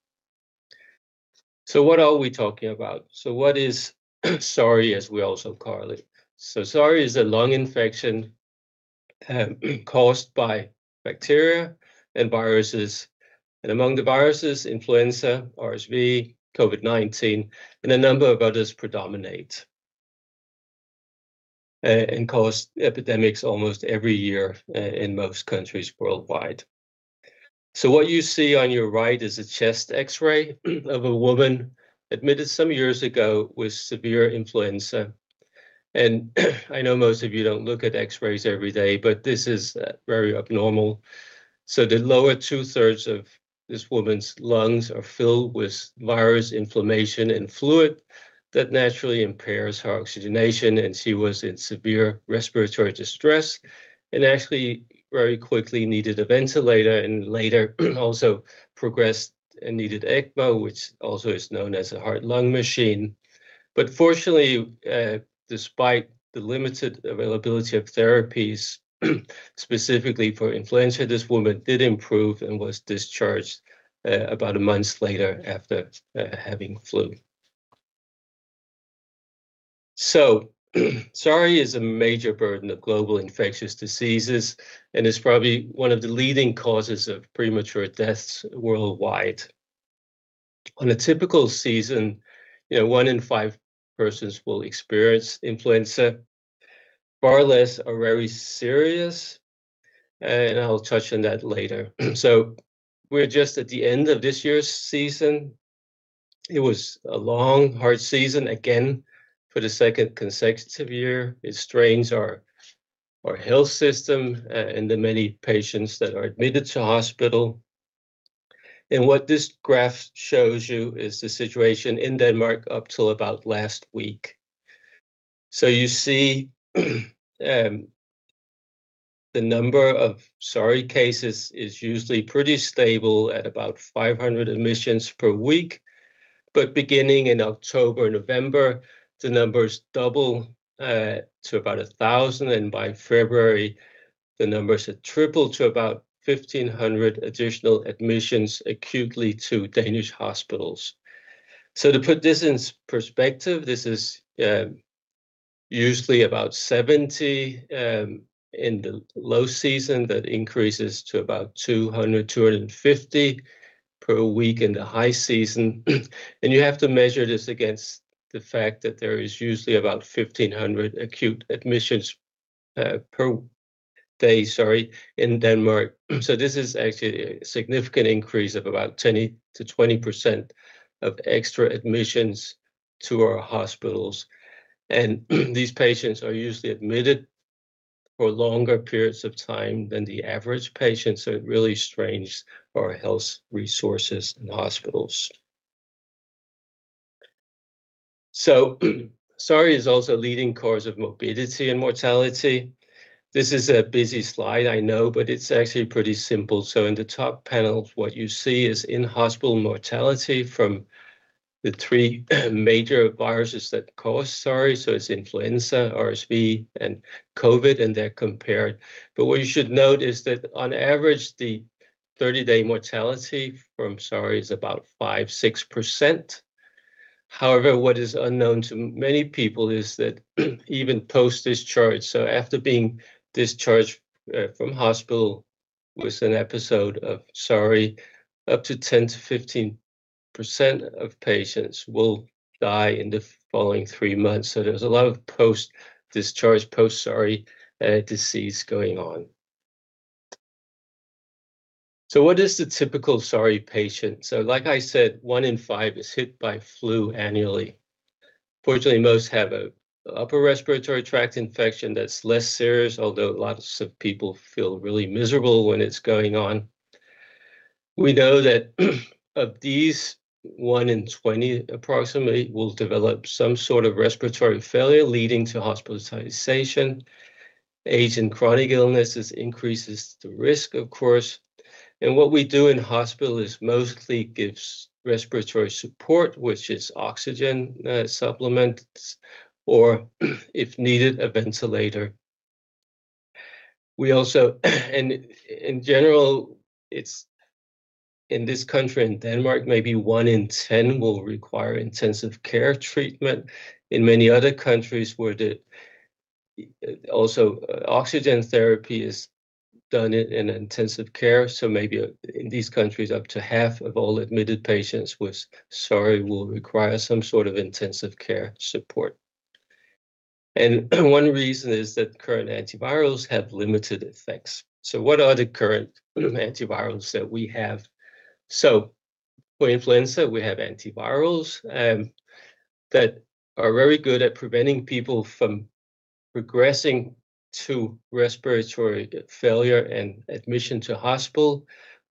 What are we talking about? What is SARI, as we also call it. SARI is a lung infection caused by bacteria and viruses, and among the viruses, influenza, RSV, COVID-19, and a number of others predominate and cause epidemics almost every year in most countries worldwide. What you see on your right is a chest X-ray of a woman admitted some years ago with severe influenza. I know most of you don't look at X-rays every day, but this is very abnormal. The lower two-thirds of this woman's lungs are filled with virus inflammation and fluid that naturally impairs her oxygenation, and she was in severe respiratory distress and actually very quickly needed a ventilator and later also progressed and needed ECMO, which also is known as a heart-lung machine. Fortunately, despite the limited availability of therapies specifically for influenza, this woman did improve and was discharged about a month later after having flu. SARI is a major burden of global infectious diseases and is probably one of the leading causes of premature deaths worldwide. On a typical season, you know, one in five persons will experience influenza. Far less are very serious, and I'll touch on that later. We're just at the end of this year's season. It was a long, hard season again for the second consecutive year. It strains our health system and the many patients that are admitted to hospital. What this graph shows you is the situation in Denmark up till about last week. You see, the number of SARI cases is usually pretty stable at about 500 admissions per week. Beginning in October, November, the numbers double to about 1,000, and by February, the numbers had tripled to about 1,500 additional admissions acutely to Danish hospitals. To put this in perspective, this is usually about 70 in the low season that increases to about 200-250 per week in the high season. You have to measure this against the fact that there is usually about 1,500 acute admissions per day, sorry, in Denmark. This is actually a significant increase of about 10%-20% of extra admissions to our hospitals. These patients are usually admitted for longer periods of time than the average patient, so it really strains our health resources and hospitals. SARI is also a leading cause of morbidity and mortality. This is a busy slide, I know, but it's actually pretty simple. In the top panel, what you see is in-hospital mortality from the three major viruses that cause SARI, so it's influenza, RSV, and COVID, and they're compared. What you should note is that on average, the 30-day mortality from SARI is about 5-6%. However, what is unknown to many people is that even post-discharge, so after being discharged from hospital with an episode of SARI, up to 10%-15% of patients will die in the following three months. There's a lot of post-discharge, post-SARI disease going on. What is the typical SARI patient? Like I said, one in five is hit by flu annually. Fortunately, most have a upper respiratory tract infection that's less serious, although lots of people feel really miserable when it's going on. We know that of these, one in twenty approximately will develop some sort of respiratory failure leading to hospitalization. Age and chronic illnesses increases the risk, of course. What we do in hospital is mostly gives respiratory support, which is oxygen supplements or if needed, a ventilator. In general, it's in this country, in Denmark, maybe one in ten will require intensive care treatment. In many other countries where they also oxygen therapy is done in intensive care, maybe in these countries, up to half of all admitted patients with SARI will require some sort of intensive care support. One reason is that current antivirals have limited effects. What are the current antivirals that we have? So for influenza, we have antivirals that are very good at preventing people from progressing to respiratory failure and admission to hospital,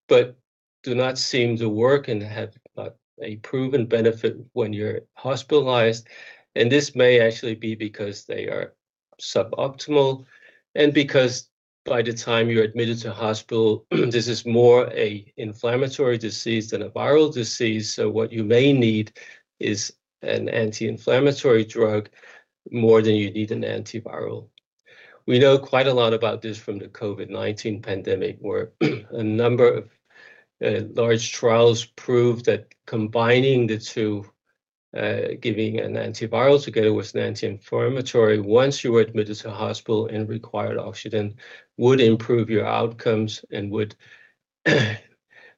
but do not seem to work and have not a proven benefit when you're hospitalized. This may actually be because they are suboptimal and because by the time you're admitted to hospital, this is more an inflammatory disease than a viral disease. What you may need is an anti-inflammatory drug more than you need an antiviral. We know quite a lot about this from the COVID-19 pandemic, where a number of large trials prove that combining the two, giving an antiviral together with an anti-inflammatory once you were admitted to hospital and required oxygen, would improve your outcomes and would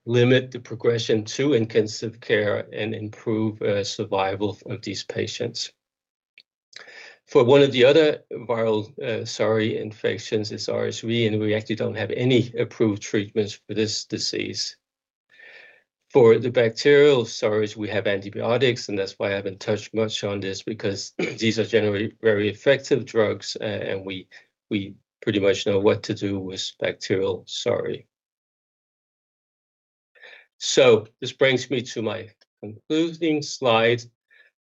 limit the progression to intensive care and improve survival of these patients. For one of the other viral SARI infections is RSV, and we actually don't have any approved treatments for this disease. For the bacterial SARIs, we have antibiotics, and that's why I haven't touched much on this because these are generally very effective drugs. We pretty much know what to do with bacterial SARI. This brings me to my concluding slide,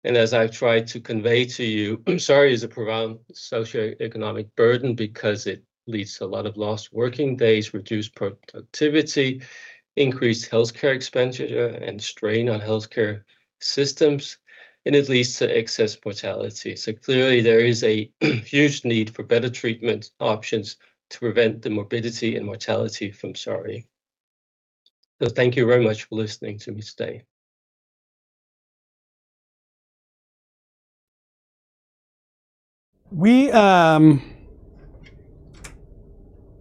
and as I've tried to convey to you, SARI is a prevalent socioeconomic burden because it leads to a lot of lost working days, reduced productivity, increased healthcare expenditure, and strain on healthcare systems, and it leads to excess mortality. Clearly, there is a huge need for better treatment options to prevent the morbidity and mortality from SARI. Thank you very much for listening to me today.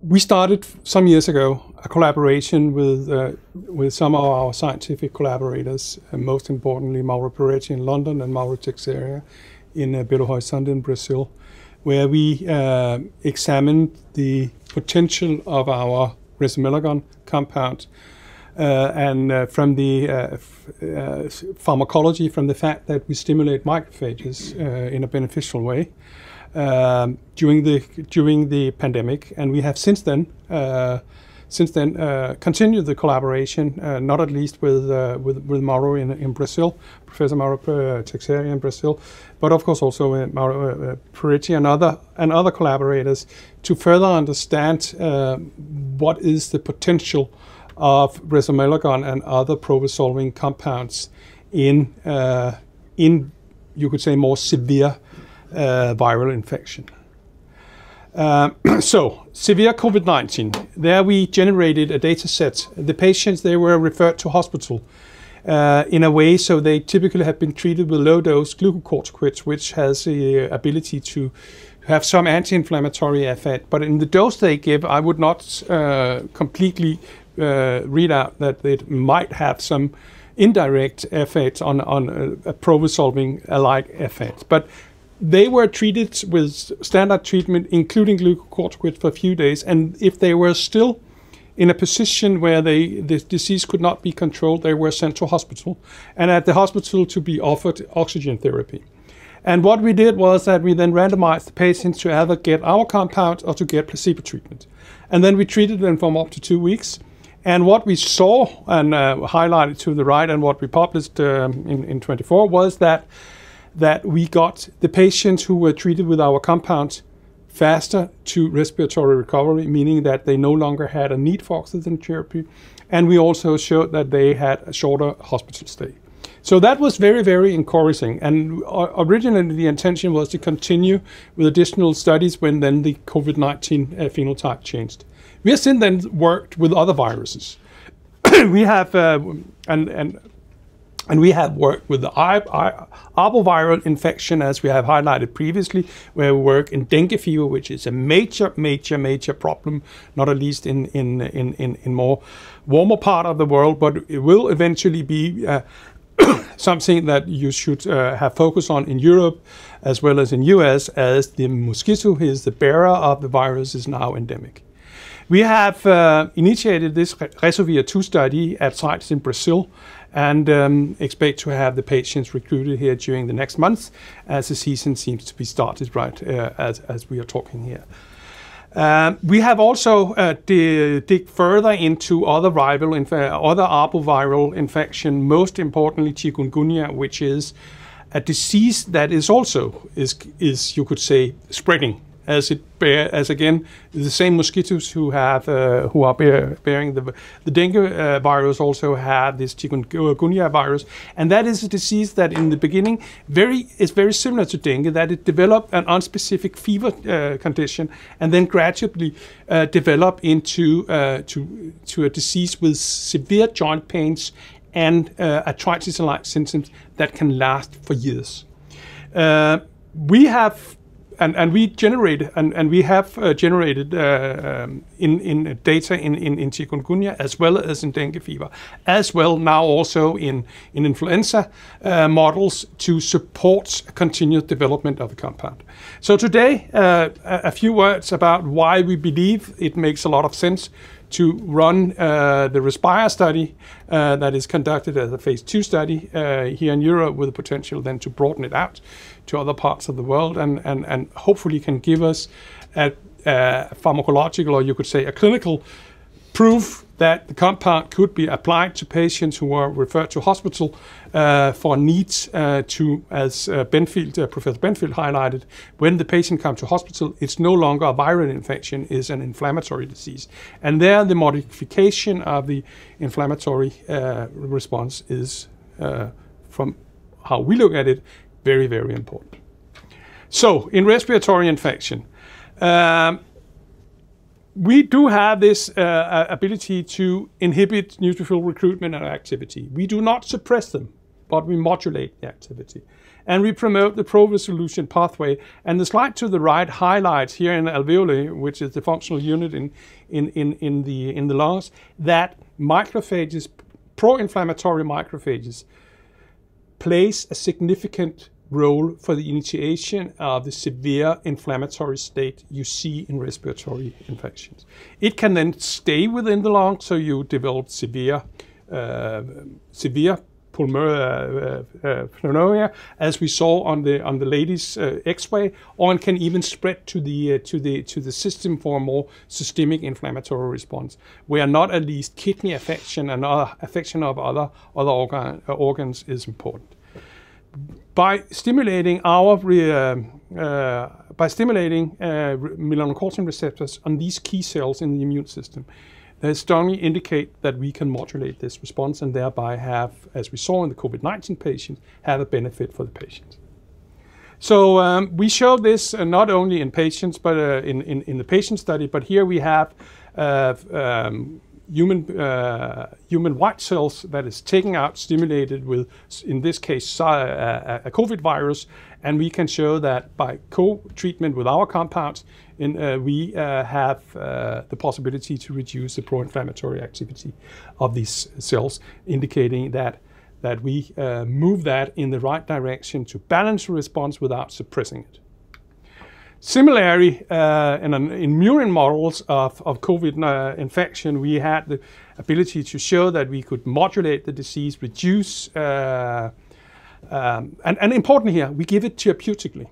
We started some years ago a collaboration with some of our scientific collaborators, and most importantly Mauro Perretti in London and Mauro Teixeira in Belo Horizonte in Brazil, where we examined the potential of our resomelagon compound. From the pharmacology, from the fact that we stimulate macrophages in a beneficial way during the pandemic. We have since then continued the collaboration not least with Mauro in Brazil, Professor Mauro Teixeira in Brazil. Of course also with Mauro Perretti and other collaborators to further understand what is the potential of resomelagon and other pro-resolving compounds in you could say more severe viral infection, severe COVID-19, there we generated a dataset. The patients, they were referred to hospital in a way so they typically have been treated with low-dose Glucocorticoids, which has the ability to have some anti-inflammatory effect. In the dose they give, I would not completely rule out that it might have some indirect effects on a pro-resolving-like effects. They were treated with standard treatment, including Glucocorticoid for a few days, and if they were still in a position where they, this disease could not be controlled, they were sent to hospital and at the hospital to be offered oxygen therapy. What we did was that we then randomized the patients to either get our compound or to get placebo treatment. Then we treated them for up to two weeks. What we saw and highlighted to the right and what we published in 2024 was that we got the patients who were treated with our compounds faster to respiratory recovery, meaning that they no longer had a need for oxygen therapy. We also showed that they had a shorter hospital stay. That was very, very encouraging. Originally, the intention was to continue with additional studies when the COVID-19 phenotype changed. We have since then worked with other viruses. We have worked with the arboviral infection as we have highlighted previously, where we work in dengue fever, which is a major problem, not least in warmer parts of the world. It will eventually be something that you should have focus on in Europe as well as in U.S., as the mosquito who is the bearer of the virus is now endemic. We have initiated this RESOVIR-2 study at sites in Brazil and expect to have the patients recruited here during the next month as the season seems to be started right, as we are talking here. We have also dug further into other viral other arboviral infection, most importantly chikungunya, which is a disease that is also, you could say, spreading as it bears, as again, the same mosquitoes who are bearing the dengue virus also have this chikungunya virus. That is a disease that in the beginning is very similar to dengue, that it develop an unspecific fever condition and then gradually develop into to a disease with severe joint pains and arthritis-like symptoms that can last for years. We have generated data in chikungunya as well as in dengue fever, as well now also in influenza models to support continued development of the compound. Today, a few words about why we believe it makes a lot of sense to run the RESPIRE study that is conducted as a Phase two study here in Europe with the potential then to broaden it out to other parts of the world and hopefully can give us a pharmacological, or you could say a clinical proof that the compound could be applied to patients who are referred to hospital for needs to, as Professor Benfield highlighted, when the patient comes to hospital, it's no longer a viral infection, it's an inflammatory disease. There, the modification of the inflammatory response is, from how we look at it, very, very important. In respiratory infection, we do have this ability to inhibit neutrophil recruitment and activity. We do not suppress them, but we modulate the activity, and we promote the pro-resolution pathway. The slide to the right highlights here in the alveoli, which is the functional unit in the lungs, that macrophages, pro-inflammatory macrophages play a significant role for the initiation of the severe inflammatory state you see in respiratory infections. It can then stay within the lungs, so you develop severe pneumonia, as we saw on the lady's X-ray, or it can even spread to the system for a more systemic inflammatory response, where not least kidney affection and other affection of other organs is important. By stimulating melanocortin receptors on these key cells in the immune system, they strongly indicate that we can modulate this response and thereby have, as we saw in the COVID-19 patients, a benefit for the patients. We show this not only in patients, but in the patient study, but here we have human white cells that is taken out, stimulated with, in this case, a COVID virus, and we can show that by co-treatment with our compounds, and we have the possibility to reduce the pro-inflammatory activity of these cells, indicating that we move that in the right direction to balance the response without suppressing it. Similarly, in murine models of COVID infection, we had the ability to show that we could modulate the disease, reduce. Important here, we give it therapeutically.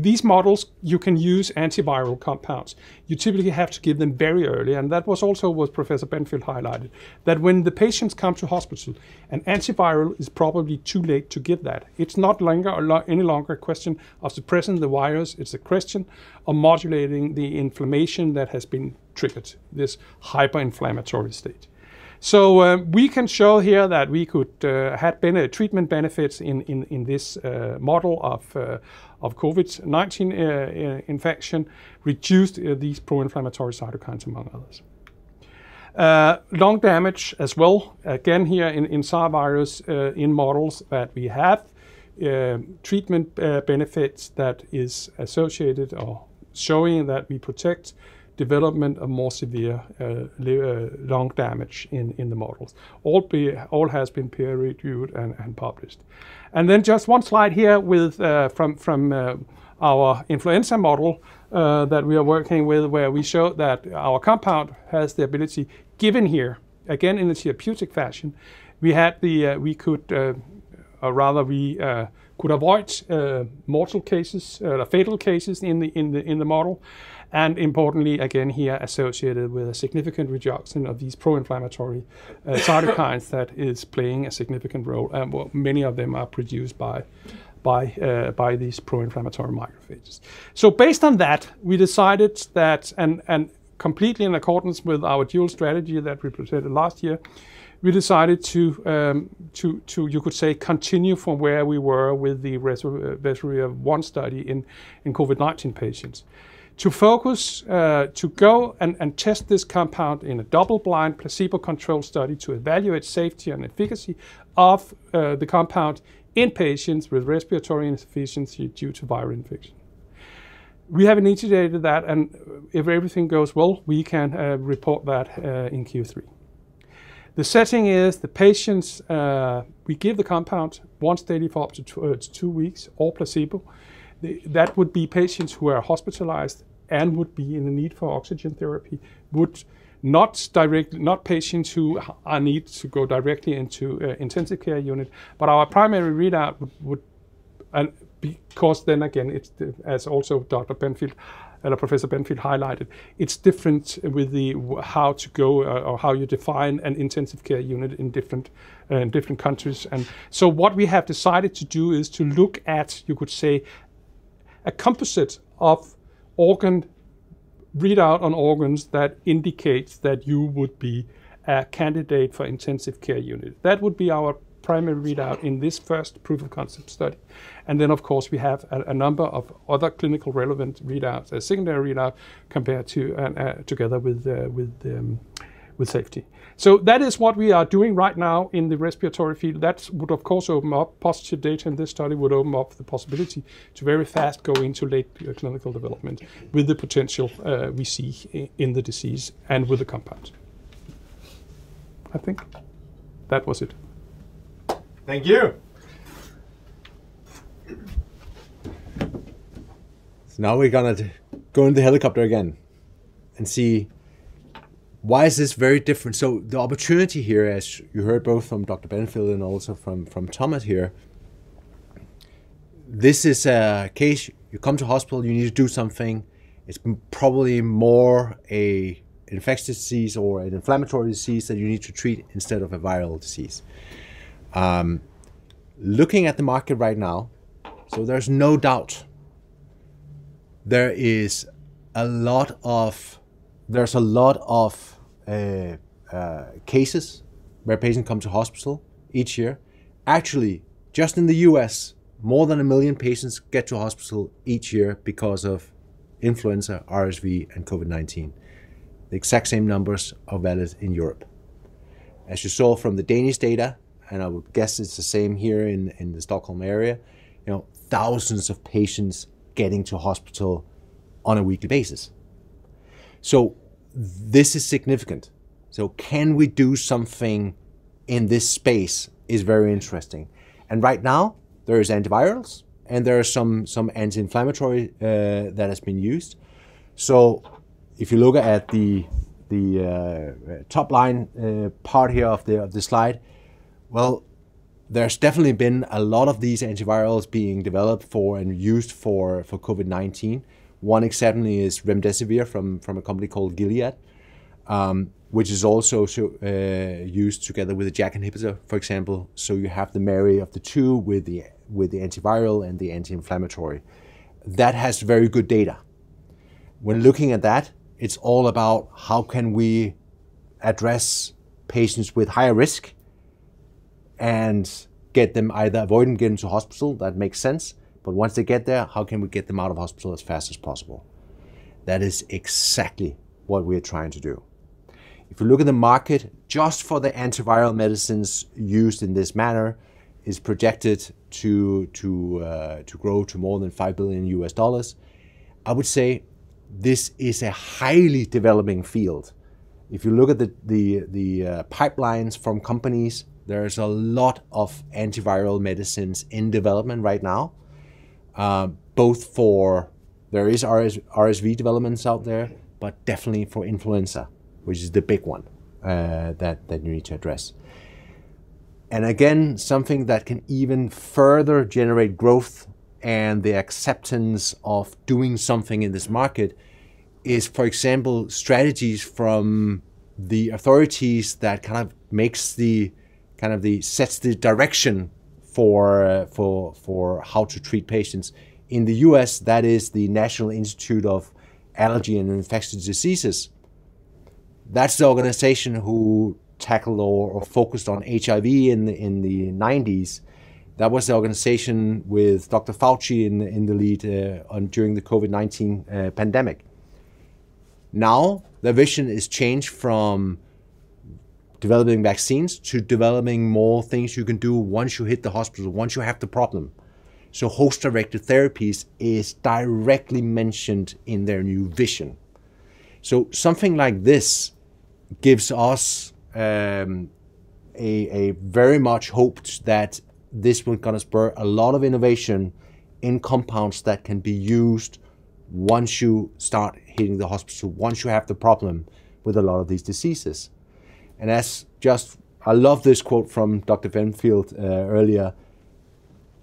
These models, you can use antiviral compounds. You typically have to give them very early, and that was also what Professor Benfield highlighted, that when the patients come to hospital, an antiviral is probably too late to give that. It's not any longer a question of suppressing the virus, it's a question of modulating the inflammation that has been triggered, this hyper-inflammatory state. We can show here that we could have treatment benefits in this model of COVID-19 infection, reduced these pro-inflammatory cytokines among others. Lung damage as well, again here in SARS virus, in models that we have, treatment benefits that is associated or showing that we protect development of more severe lung damage in the models. All has been peer reviewed and published. Then just one slide here with from our influenza model that we are working with where we show that our compound has the ability, given here, again in the therapeutic fashion, we could, or rather we could avoid mortal cases, fatal cases in the model, and importantly, again here associated with a significant reduction of these pro-inflammatory cytokines that is playing a significant role, and well, many of them are produced by these pro-inflammatory macrophages. Based on that, we decided that, and completely in accordance with our dual strategy that we presented last year, we decided to continue from where we were with the RESPIRE-1 study in COVID-19 patients, to focus, to go and test this compound in a double-blind, placebo-controlled study to evaluate safety and efficacy of the compound in patients with respiratory insufficiency due to viral infection. We have initiated that, and if everything goes well, we can report that in Q3. The setting is the patients we give the compound once daily for up to two weeks or placebo. That would be patients who are hospitalized and would be in the need for oxygen therapy, not patients who need to go directly into an intensive care unit. Our primary readout would, and because then again, it's the, as also Dr. Benfield, Professor Benfield highlighted, it's different with the how you define an intensive care unit in different countries. What we have decided to do is to look at, you could say, a composite of organ readout on organs that indicates that you would be a candidate for intensive care unit. That would be our primary readout in this first proof of concept study. Then of course, we have a number of other clinically relevant readouts, a secondary readout compared to, and together with the. With safety. That is what we are doing right now in the respiratory field. That would, of course, open up positive data, and this study would open up the possibility to very fast going to late clinical development with the potential we see in the disease and with the compound. I think that was it. Thank you. Now we're gonna go in the helicopter again and see why is this very different. The opportunity here, as you heard both from Dr. Benfield and also from Thomas here, this is a case, you come to hospital, you need to do something. It's probably more an infectious disease or an inflammatory disease that you need to treat instead of a viral disease. Looking at the market right now, there's no doubt there is a lot of cases where patients come to hospital each year. Actually, just in the U.S., more than one million patients get to hospital each year because of influenza, RSV, and COVID-19. The exact same numbers are valid in Europe. As you saw from the Danish data, and I would guess it's the same here in the Stockholm area, you know, thousands of patients getting to hospital on a weekly basis. This is significant. Can we do something in this space is very interesting. Right now there are antivirals and there are some anti-inflammatory that has been used. If you look at the top line part here of the slide, there's definitely been a lot of these antivirals being developed for and used for COVID-19. One example is remdesivir from a company called Gilead Sciences, which is also used together with a JAK inhibitor, for example. You have the marriage of the two with the antiviral and the anti-inflammatory. That has very good data. When looking at that, it's all about how can we address patients with higher risk and get them either avoid getting into hospital, that makes sense, but once they get there, how can we get them out of hospital as fast as possible. That is exactly what we are trying to do. If you look at the market, just for the antiviral medicines used in this manner is projected to grow to more than $5 billion. I would say this is a highly developing field. If you look at the pipelines from companies, there is a lot of antiviral medicines in development right now, both for RSV developments out there, but definitely for influenza, which is the big one, that you need to address. Again, something that can even further generate growth and the acceptance of doing something in this market is, for example, strategies from the authorities that sets the direction for how to treat patients. In the U.S., that is the National Institute of Allergy and Infectious Diseases. That's the organization that focused on HIV in the nineties. That was the organization with Dr. Fauci in the lead on during the COVID-19 pandemic. Now, the vision is changed from developing vaccines to developing more things you can do once you hit the hospital, once you have the problem. Host-directed therapies is directly mentioned in their new vision. Something like this gives us a very much hoped that this will gonna spur a lot of innovation in compounds that can be used once you start hitting the hospital, once you have the problem with a lot of these diseases. Just, I love this quote from Dr. Benfield earlier,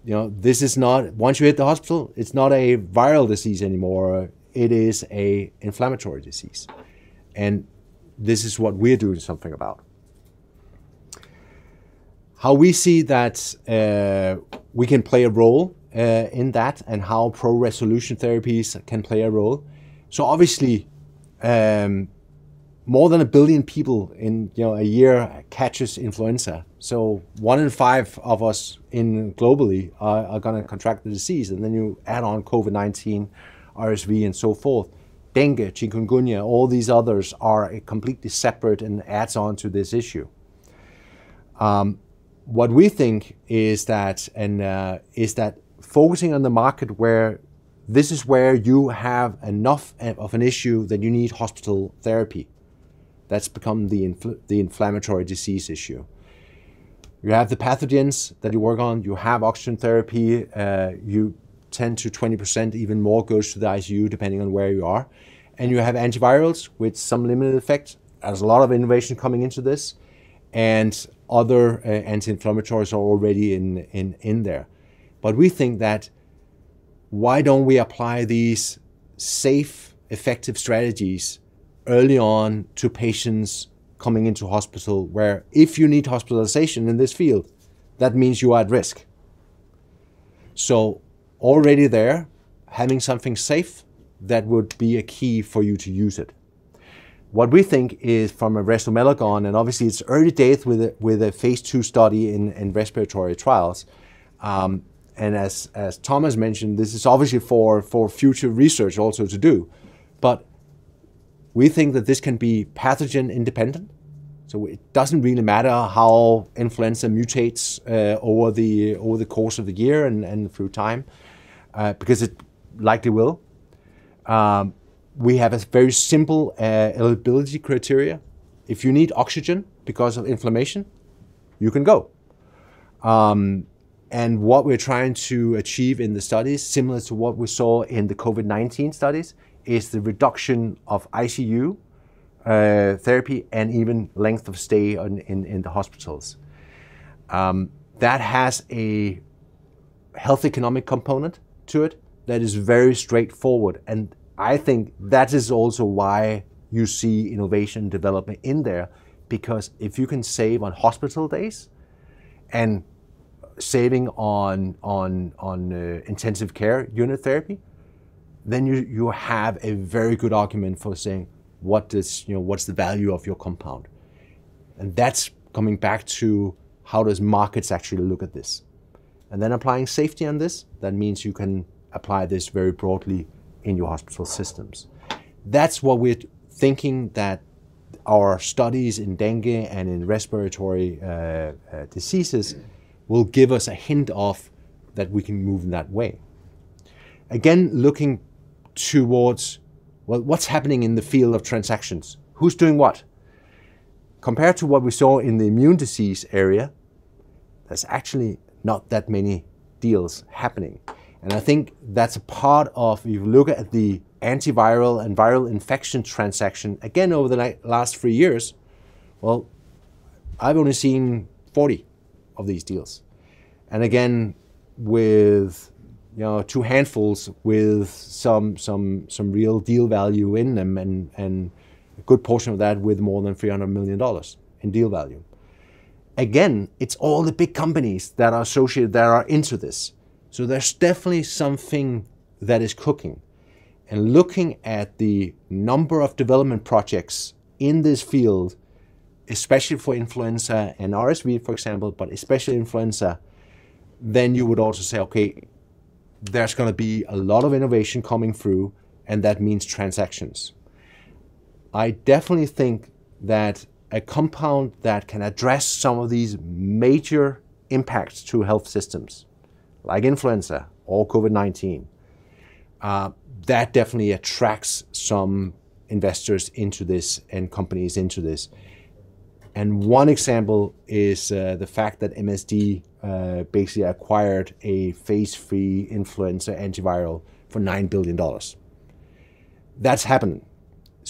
you know, this is not once you hit the hospital, it's not a viral disease anymore. It is an inflammatory disease. This is what we're doing something about. How we see that we can play a role in that and how pro-resolution therapies can play a role. Obviously, more than one billion people in a year catches influenza. One in five of us globally are gonna contract the disease, and then you add on COVID-19, RSV, and so forth. Dengue, chikungunya, all these others are a completely separate and adds on to this issue. What we think is that focusing on the market where this is where you have enough of an issue that you need hospital therapy. That's become the inflammatory disease issue. You have the pathogens that you work on. You have oxygen therapy. 10%-20% even more goes to the ICU depending on where you are. You have antivirals with some limited effect. There's a lot of innovation coming into this, and other anti-inflammatories are already in there. We think that why don't we apply these safe, effective strategies early on to patients coming into hospital where if you need hospitalization in this field, that means you are at risk. Already there, having something safe, that would be a key for you to use it. What we think is from Resomelagon, and obviously it's early days with a Phase two study in respiratory trials, and as Thomas mentioned, this is obviously for future research also to do. We think that this can be pathogen-independent, so it doesn't really matter how influenza mutates over the course of the year and through time, because it likely will. We have a very simple eligibility criteria. If you need oxygen because of inflammation, you can go. What we're trying to achieve in the study is similar to what we saw in the COVID-19 studies, is the reduction of ICU therapy, and even length of stay in the hospitals. That has a health economic component to it that is very straightforward, and I think that is also why you see innovation development in there. Because if you can save on hospital days, and saving on intensive care unit therapy, then you have a very good argument for saying, you know, what's the value of your compound? And that's coming back to, how does the market actually look at this? And then applying safety on this, that means you can apply this very broadly in your hospital systems. That's what we're thinking that our studies in dengue and in respiratory diseases will give us a hint of, that we can move in that way. Again, looking towards, well, what's happening in the field of transactions? Who's doing what? Compared to what we saw in the immune disease area, there's actually not that many deals happening, and I think that's a part of, if you look at the antiviral and viral infection transaction, again, over the last three years, well, I've only seen 40 of these deals. Again, with, you know, two handfuls with some real deal value in them and a good portion of that with more than $300 million in deal value. Again, it's all the big companies that are associated, that are into this. There's definitely something that is cooking. Looking at the number of development projects in this field, especially for influenza and RSV, for example, but especially influenza, then you would also say, "Okay, there's gonna be a lot of innovation coming through," and that means transactions. I definitely think that a compound that can address some of these major impacts to health systems, like influenza or COVID-19, that definitely attracts some investors into this, and companies into this. One example is the fact that MSD basically acquired a phase III influenza antiviral for $9 billion. That's happening.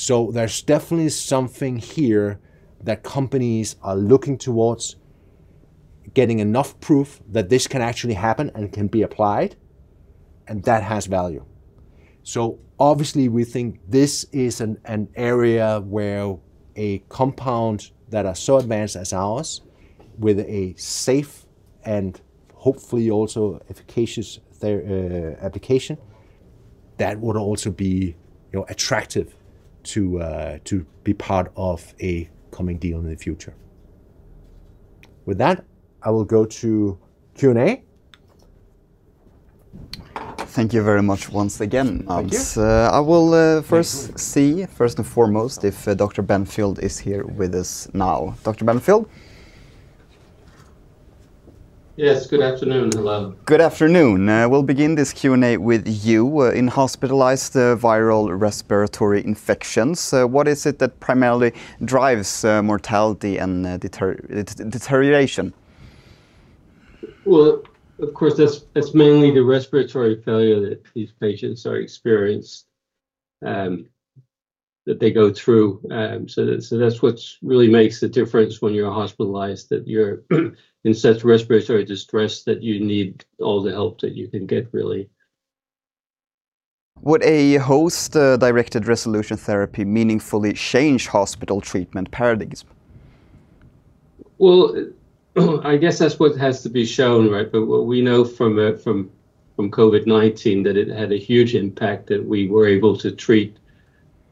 There's definitely something here that companies are looking towards getting enough proof that this can actually happen and can be applied, and that has value. Obviously, we think this is an area where a compound that are so advanced as ours, with a safe and hopefully also efficacious application, that would also be, you know, attractive to be part of a coming deal in the future. With that, I will go to Q&A. Thank you very much once again. Thank you. I will. Thank you. First and foremost, if Dr. Benfield is here with us now. Dr. Benfield? Yes. Good afternoon. Hello. Good afternoon. We'll begin this Q&A with you. In hospitalized viral respiratory infections, what is it that primarily drives mortality and deterioration? Well, of course, it's mainly the respiratory failure that these patients are experienced that they go through. That's what's really makes the difference when you're hospitalized, that you're in such respiratory distress that you need all the help that you can get really. Would a host-directed resolution therapy meaningfully change hospital treatment paradigms? Well, I guess that's what has to be shown, right? What we know from COVID-19, that it had a huge impact, that we were able to treat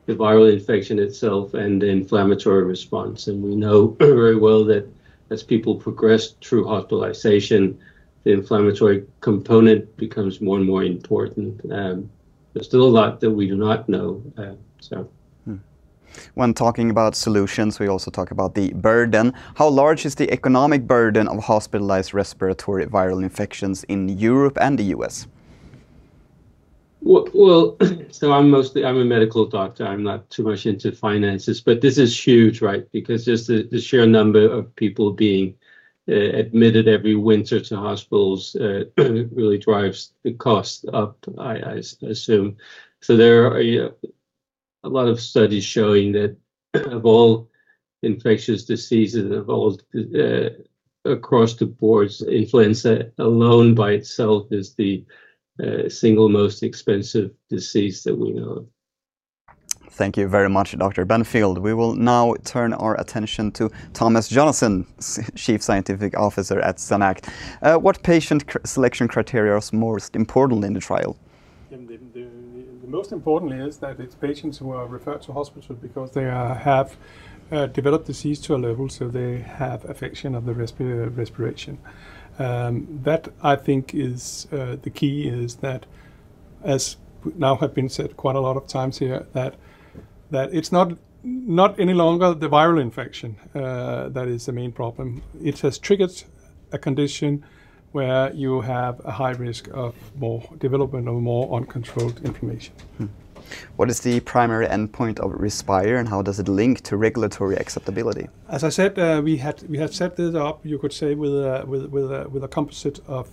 the viral infection itself and the inflammatory response. We know very well that as people progress through hospitalization, the inflammatory component becomes more and more important. There's still a lot that we do not know. When talking about solutions, we also talk about the burden. How large is the economic burden of hospitalized respiratory viral infections in Europe and the U.S.? Well, well, I'm mostly a medical doctor. I'm not too much into finances, but this is huge, right? Because just the sheer number of people being admitted every winter to hospitals really drives the cost up, I assume. There are a lot of studies showing that of all infectious diseases, across the board, influenza alone by itself is the single most expensive disease that we know of. Thank you very much, Dr. Benfield. We will now turn our attention to Thomas Jonassen, Chief Scientific Officer at SynAct. What patient selection criteria is most important in the trial? Most importantly, it's patients who are referred to hospital because they have developed disease to a level so they have affecting the respiration. That, I think, is the key, as has now been said quite a lot of times here, that it's not any longer the viral infection that is the main problem. It has triggered a condition where you have a high risk of more development of uncontrolled inflammation. What is the primary endpoint of RESPIRE, and how does it link to regulatory acceptability? As I said, we had set it up, you could say, with a composite of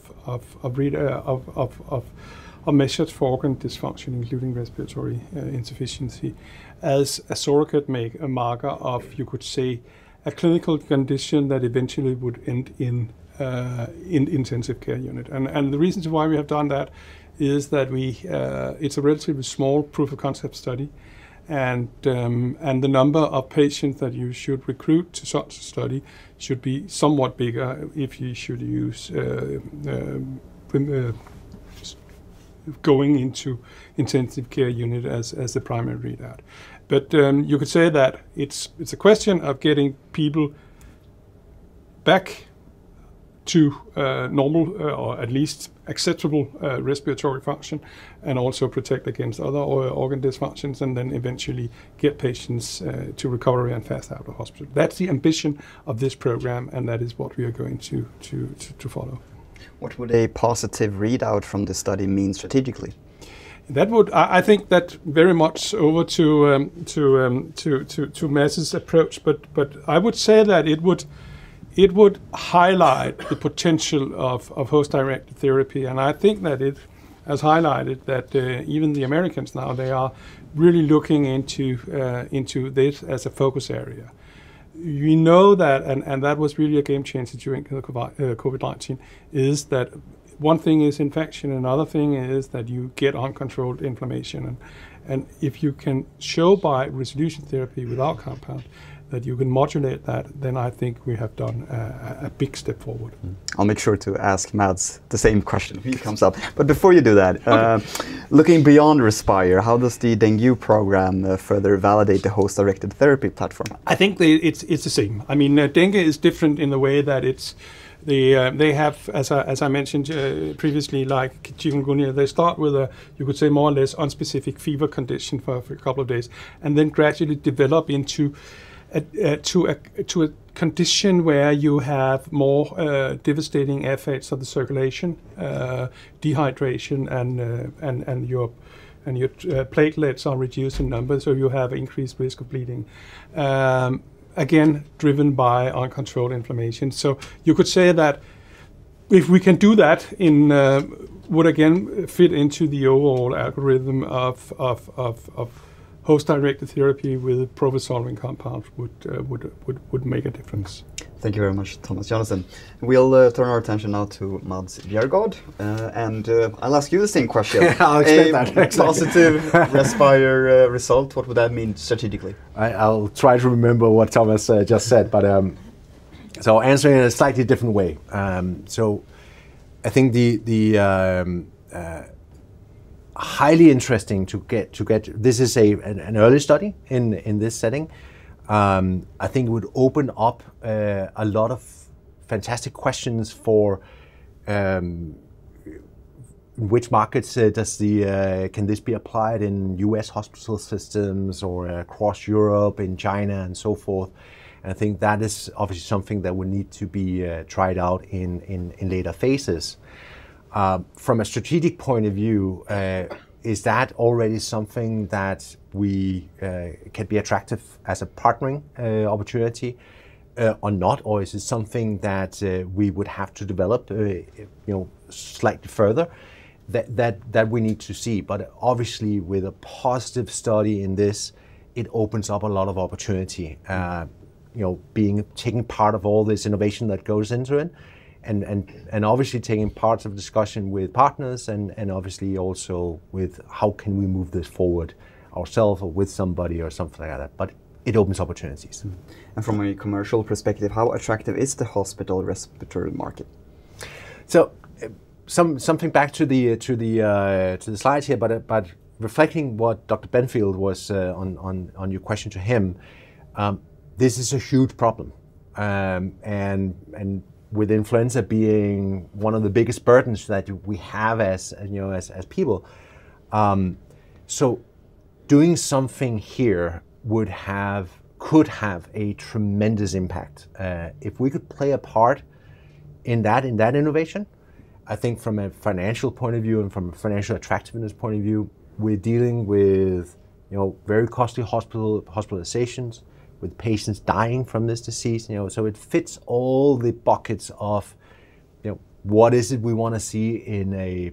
measures for organ dysfunction, including respiratory insufficiency, as a surrogate marker of, you could say, a clinical condition that eventually would end in intensive care unit. The reasons why we have done that is that it's a relatively small proof of concept study, and the number of patients that you should recruit to such a study should be somewhat bigger if you should use going into intensive care unit as the primary readout. You could say that it's a question of getting people back to normal or at least acceptable respiratory function and also protect against other organ dysfunctions, and then eventually get patients to recovery and fast out of hospital. That's the ambition of this program, and that is what we are going to follow. What would a positive readout from the study mean strategically? I think that very much over to Mads' approach, but I would say that it would highlight the potential of host-directed therapy. I think that it has highlighted that even the Americans now, they are really looking into this as a focus area. We know that that was really a game changer during COVID-19, that one thing is infection and another thing is that you get uncontrolled inflammation. If you can show by resolution therapy with our compound that you can modulate that, then I think we have done a big step forward. I'll make sure to ask Mads the same question. Please if it comes up. Before you do that. All right.... looking beyond RESPIRE, how does the dengue program further validate the host-directed therapy platform? It's the same. I mean, dengue is different in the way that it's the. They have, as I mentioned, previously, like chikungunya, they start with a you could say more or less unspecific fever condition for a couple of days, and then gradually develop into a condition where you have more devastating effects of the circulation, dehydration, and your platelets are reduced in numbers, so you have increased risk of bleeding. Again, driven by uncontrolled inflammation. You could say that if we can do that in would again fit into the overall algorithm of host-directed therapy with pro-resolving compound would make a difference. Thank you very much, Thomas Jonassen. We'll turn our attention now to Mads Bjerregaard. I'll ask you the same question. I expect that. A positive RESPIRE result, what would that mean strategically? I'll try to remember what Thomas just said, but I'll answer it in a slightly different way. I think that's highly interesting. This is an early study in this setting. I think it would open up a lot of fantastic questions for which markets does this. Can this be applied in U.S. hospital systems or across Europe, in China, and so forth? I think that is obviously something that would need to be tried out in later phases. From a strategic point of view, is that already something that could be attractive as a partnering opportunity, or not? Is it something that we would have to develop you know slightly further? That we need to see. Obviously with a positive study in this, it opens up a lot of opportunity. You know, being taking part of all this innovation that goes into it and obviously taking part of discussion with partners and obviously also with how can we move this forward ourself or with somebody or something like that. It opens opportunities. From a commercial perspective, how attractive is the hospital respiratory market? Something back to the slides here, but reflecting what Dr. Benfield was on your question to him, this is a huge problem. With influenza being one of the biggest burdens that we have, you know, as people. Doing something here could have a tremendous impact. If we could play a part in that innovation, I think from a financial point of view and from a financial attractiveness point of view, we're dealing with, you know, very costly hospitalizations with patients dying from this disease. You know, it fits all the buckets of, you know, what is it we wanna see in a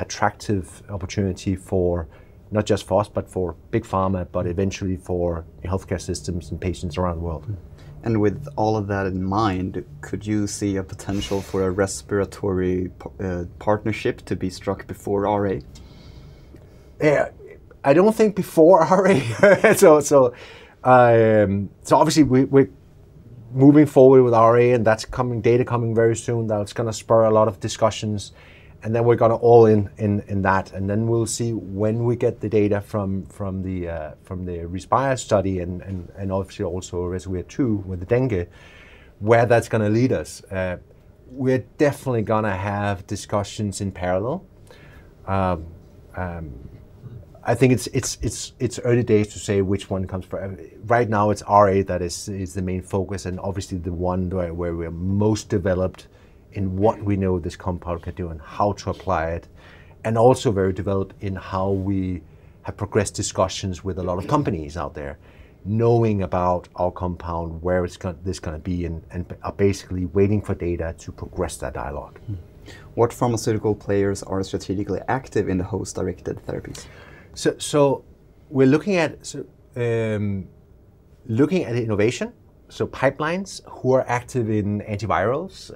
attractive opportunity for not just us, but for big pharma, but eventually for healthcare systems and patients around the world. With all of that in mind, could you see a potential for a respiratory partnership to be struck before RA? I don't think before RA. Obviously we're moving forward with RA, and that's coming, data coming very soon. That's gonna spur a lot of discussions, and then we're gonna all in on that. We'll see when we get the data from the RESPIRE study and obviously also RESOVIR-2 with the dengue, where that's gonna lead us. We're definitely gonna have discussions in parallel. I think it's early days to say which one comes first. Right now it's RA that is the main focus, and obviously the one where we're most developed in what we know this compound can do and how to apply it. Also very developed in how we have progressed discussions with a lot of companies out there, knowing about our compound, where it's going to be, and are basically waiting for data to progress that dialogue. What pharmaceutical players are strategically active in the host-directed therapies? We're looking at innovation, pipelines, who's active in antivirals,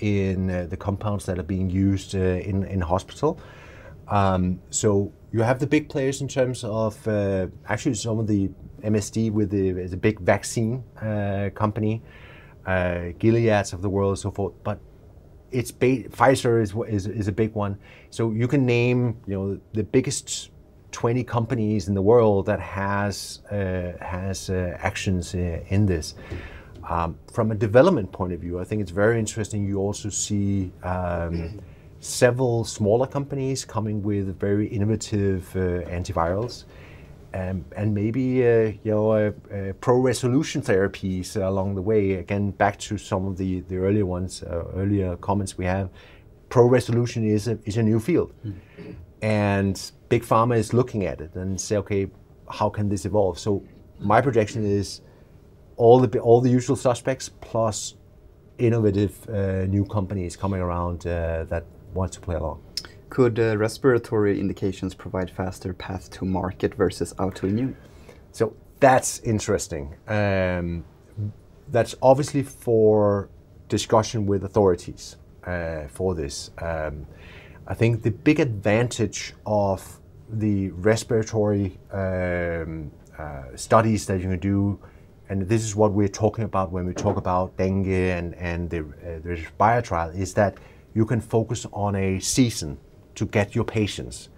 in the compounds that are being used in hospital. You have the big players in terms of actually some of the MSD with the big vaccine company, Gilead of the world and so forth. But Pfizer is a big one. You can name, you know, the biggest 20 companies in the world that has actions in this. From a development point of view, I think it's very interesting. You also see several smaller companies coming with very innovative antivirals and maybe, you know, pro-resolution therapies along the way. Again, back to some of the earlier comments we have. Pro-resolution is a new field. Mm-hmm. Big Pharma is looking at it and say, "Okay, how can this evolve?" My projection is all the usual suspects plus innovative, new companies coming around, that want to play along. Could respiratory indications provide faster path to market versus autoimmune? That's interesting. That's obviously for discussion with authorities for this. I think the big advantage of the respiratory studies that you can do, and this is what we're talking about when we talk about dengue and the RESPIRE trial, is that you can focus on a season to get your patients.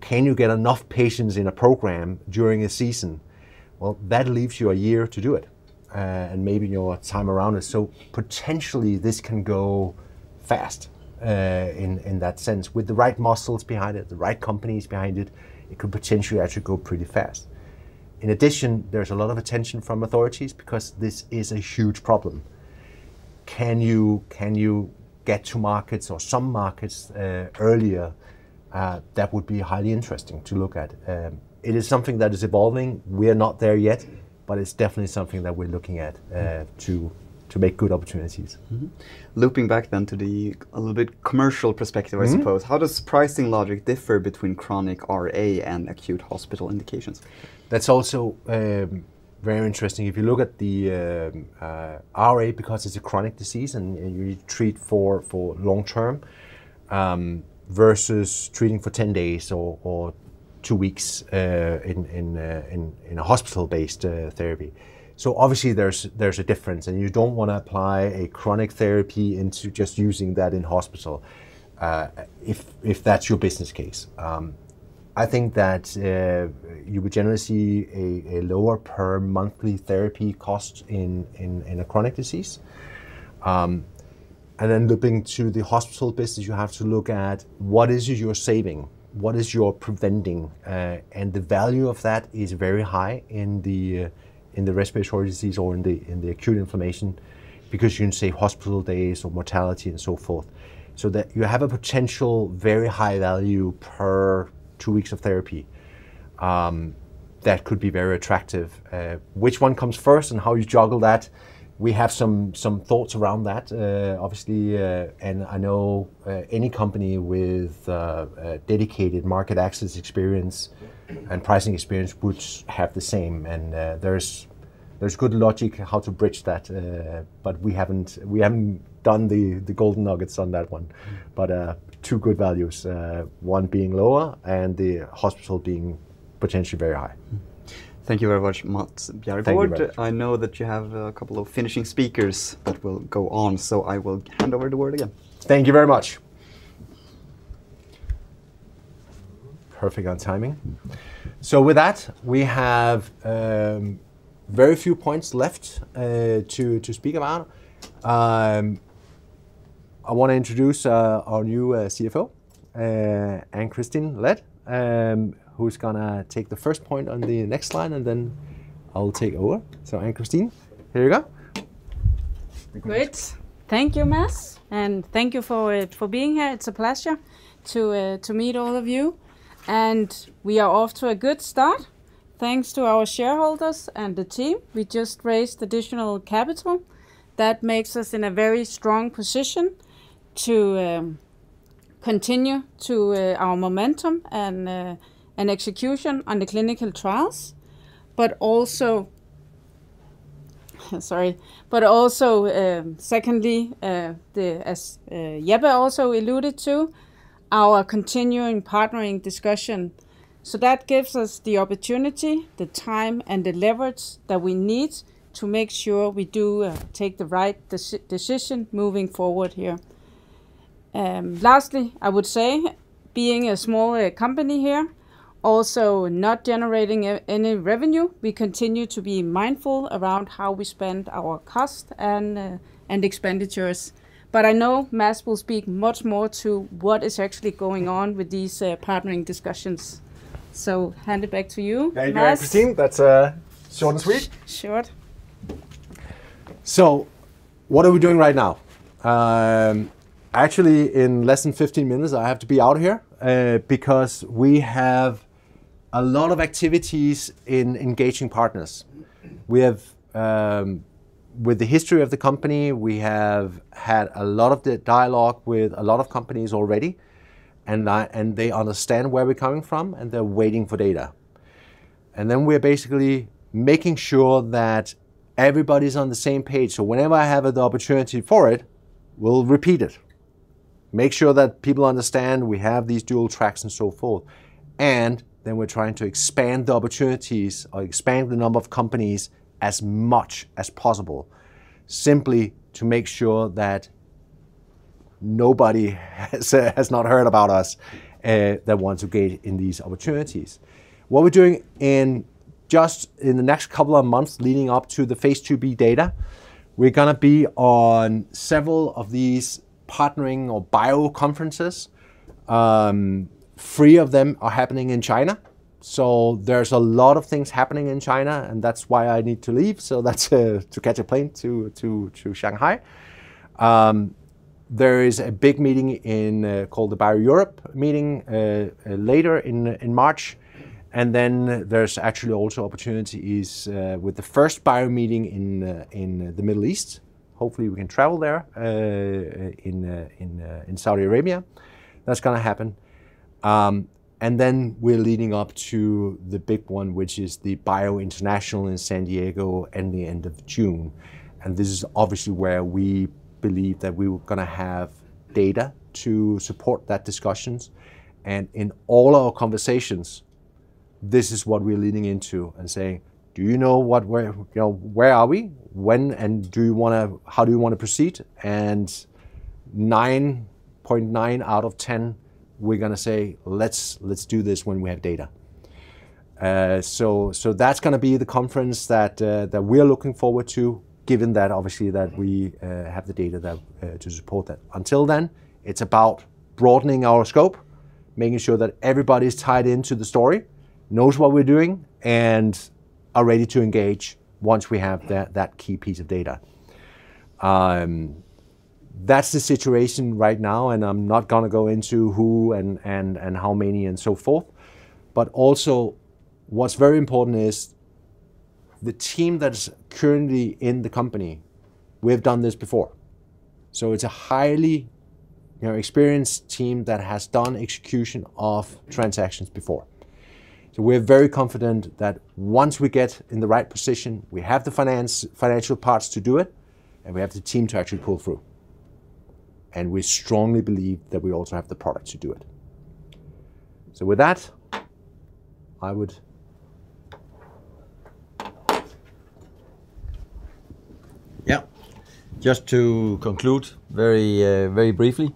Can you get enough patients in a program during a season? Well, that leaves you a year to do it and maybe another time around. Potentially this can go fast in that sense. With the right muscles behind it, the right companies behind it could potentially actually go pretty fast. In addition, there's a lot of attention from authorities because this is a huge problem. Can you get to markets or some markets earlier? That would be highly interesting to look at. It is something that is evolving. We are not there yet, but it's definitely something that we're looking at, to make good opportunities. Looping back to a little bit commercial perspective. Mm-hmm I suppose. How does pricing logic differ between chronic RA and acute hospital indications? That's also very interesting. If you look at the RA, because it's a chronic disease and you treat for long-term versus treating for 10 days or two weeks in a hospital-based therapy. Obviously there's a difference, and you don't wanna apply a chronic therapy into just using that in hospital if that's your business case. I think that you would generally see a lower per monthly therapy cost in a chronic disease. Then looping to the hospital business, you have to look at what is it you're saving? What are you preventing? The value of that is very high in the respiratory disease or in the acute inflammation because you can save hospital days or mortality and so forth. That you have a potential very high value per two weeks of therapy, that could be very attractive. Which one comes first and how you juggle that, we have some thoughts around that, obviously, and I know any company with a dedicated market access experience and pricing experience would have the same. There's good logic how to bridge that, but we haven't done the golden nuggets on that one. Two good values, one being lower and the hospital being potentially very high. Mm-hmm. Thank you very much, Mads Bjerregaard. Thank you. I know that you have a couple of finishing speakers that will go on, so I will hand over the word again. Thank you very much. Perfect on timing. With that, we have very few points left to speak about. I wanna introduce our new CFO, Anne-Christine Lade, who's gonna take the first point on the next slide, and then I'll take over. Anne-Christine, here we go. Great. Thank you, Mads, and thank you for being here. It's a pleasure to meet all of you. We are off to a good start. Thanks to our shareholders and the team, we just raised additional capital that makes us in a very strong position to continue to our momentum and execution on the clinical trials, but also, secondly, as Jeppe also alluded to, our continuing partnering discussion. That gives us the opportunity, the time, and the leverage that we need to make sure we do take the right decision moving forward here. Lastly, I would say being a smaller company here. Also, not generating any revenue, we continue to be mindful around how we spend our cost and expenditures. I know Mads will speak much more to what is actually going on with these, partnering discussions. Hand it back to you, Mads. Thank you, Christine. That's short and sweet. Sh-short. What are we doing right now? Actually, in less than 15 minutes I have to be out of here, because we have a lot of activities in engaging partners. With the history of the company, we have had a lot of the dialogue with a lot of companies already, and they understand where we're coming from, and they're waiting for data. Then we're basically making sure that everybody's on the same page. Whenever I have the opportunity for it, we'll repeat it, make sure that people understand we have these dual tracks and so forth. Then we're trying to expand the opportunities or expand the number of companies as much as possible, simply to make sure that nobody has not heard about us, that wants to engage in these opportunities. What we're doing in the next couple of months leading up to the phase IIb data, we're gonna be on several of these partnering or BIO conferences. Three of them are happening in China, so there's a lot of things happening in China, and that's why I need to leave. That's to catch a plane to Shanghai. There is a big meeting called the BIO-Europe meeting later in March. Then there's actually also opportunities with the first BIO meeting in the Middle East. Hopefully, we can travel there in Saudi Arabia. That's gonna happen. We're leading up to the big one, which is the BIO International in San Diego in the end of June, and this is obviously where we believe that we're gonna have data to support those discussions. In all our conversations, this is what we're leading into and saying, "You know, where are we? How do you wanna proceed?" 9.9 out of 10, we're gonna say, "Let's do this when we have data." So that's gonna be the conference that we're looking forward to, given that, obviously, we have the data to support that. Until then, it's about broadening our scope, making sure that everybody's tied into the story, knows what we're doing, and are ready to engage once we have that key piece of data. That's the situation right now, and I'm not gonna go into who and how many, and so forth. But also what's very important is the team that's currently in the company. We have done this before, so it's a highly, you know, experienced team that has done execution of transactions before. We're very confident that once we get in the right position, we have the financial parts to do it, and we have the team to actually pull through. We strongly believe that we also have the product to do it. So with that, yeah, just to conclude very briefly.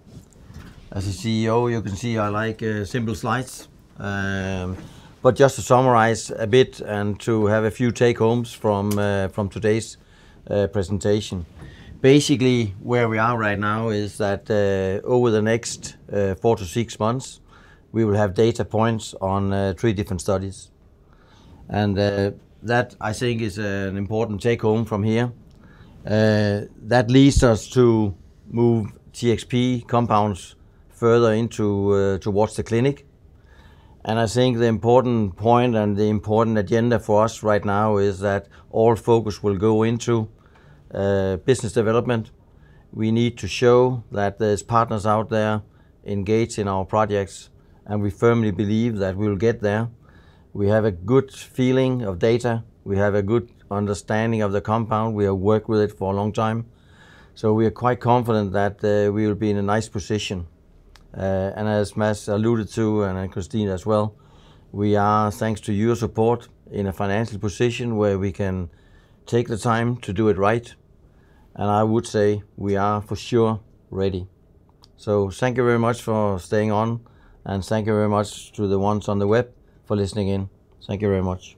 As a CEO, you can see I like simple slides. To summarize a bit and to have a few take-homes from today's presentation. Basically, where we are right now is that over the next 4-6 months, we will have data points on three different studies, and that I think is an important take-home from here. That leads us to move TXP compounds further towards the clinic. I think the important point and the important agenda for us right now is that all focus will go into business development. We need to show that there's partners out there engaged in our projects, and we firmly believe that we'll get there. We have a good feeling of data. We have a good understanding of the compound. We have worked with it for a long time. We are quite confident that we will be in a nice position. And as Mads alluded to, and Christine as well, we are, thanks to your support, in a financial position where we can take the time to do it right, and I would say we are for sure ready. Thank you very much for staying on, and thank you very much to the ones on the web for listening in. Thank you very much.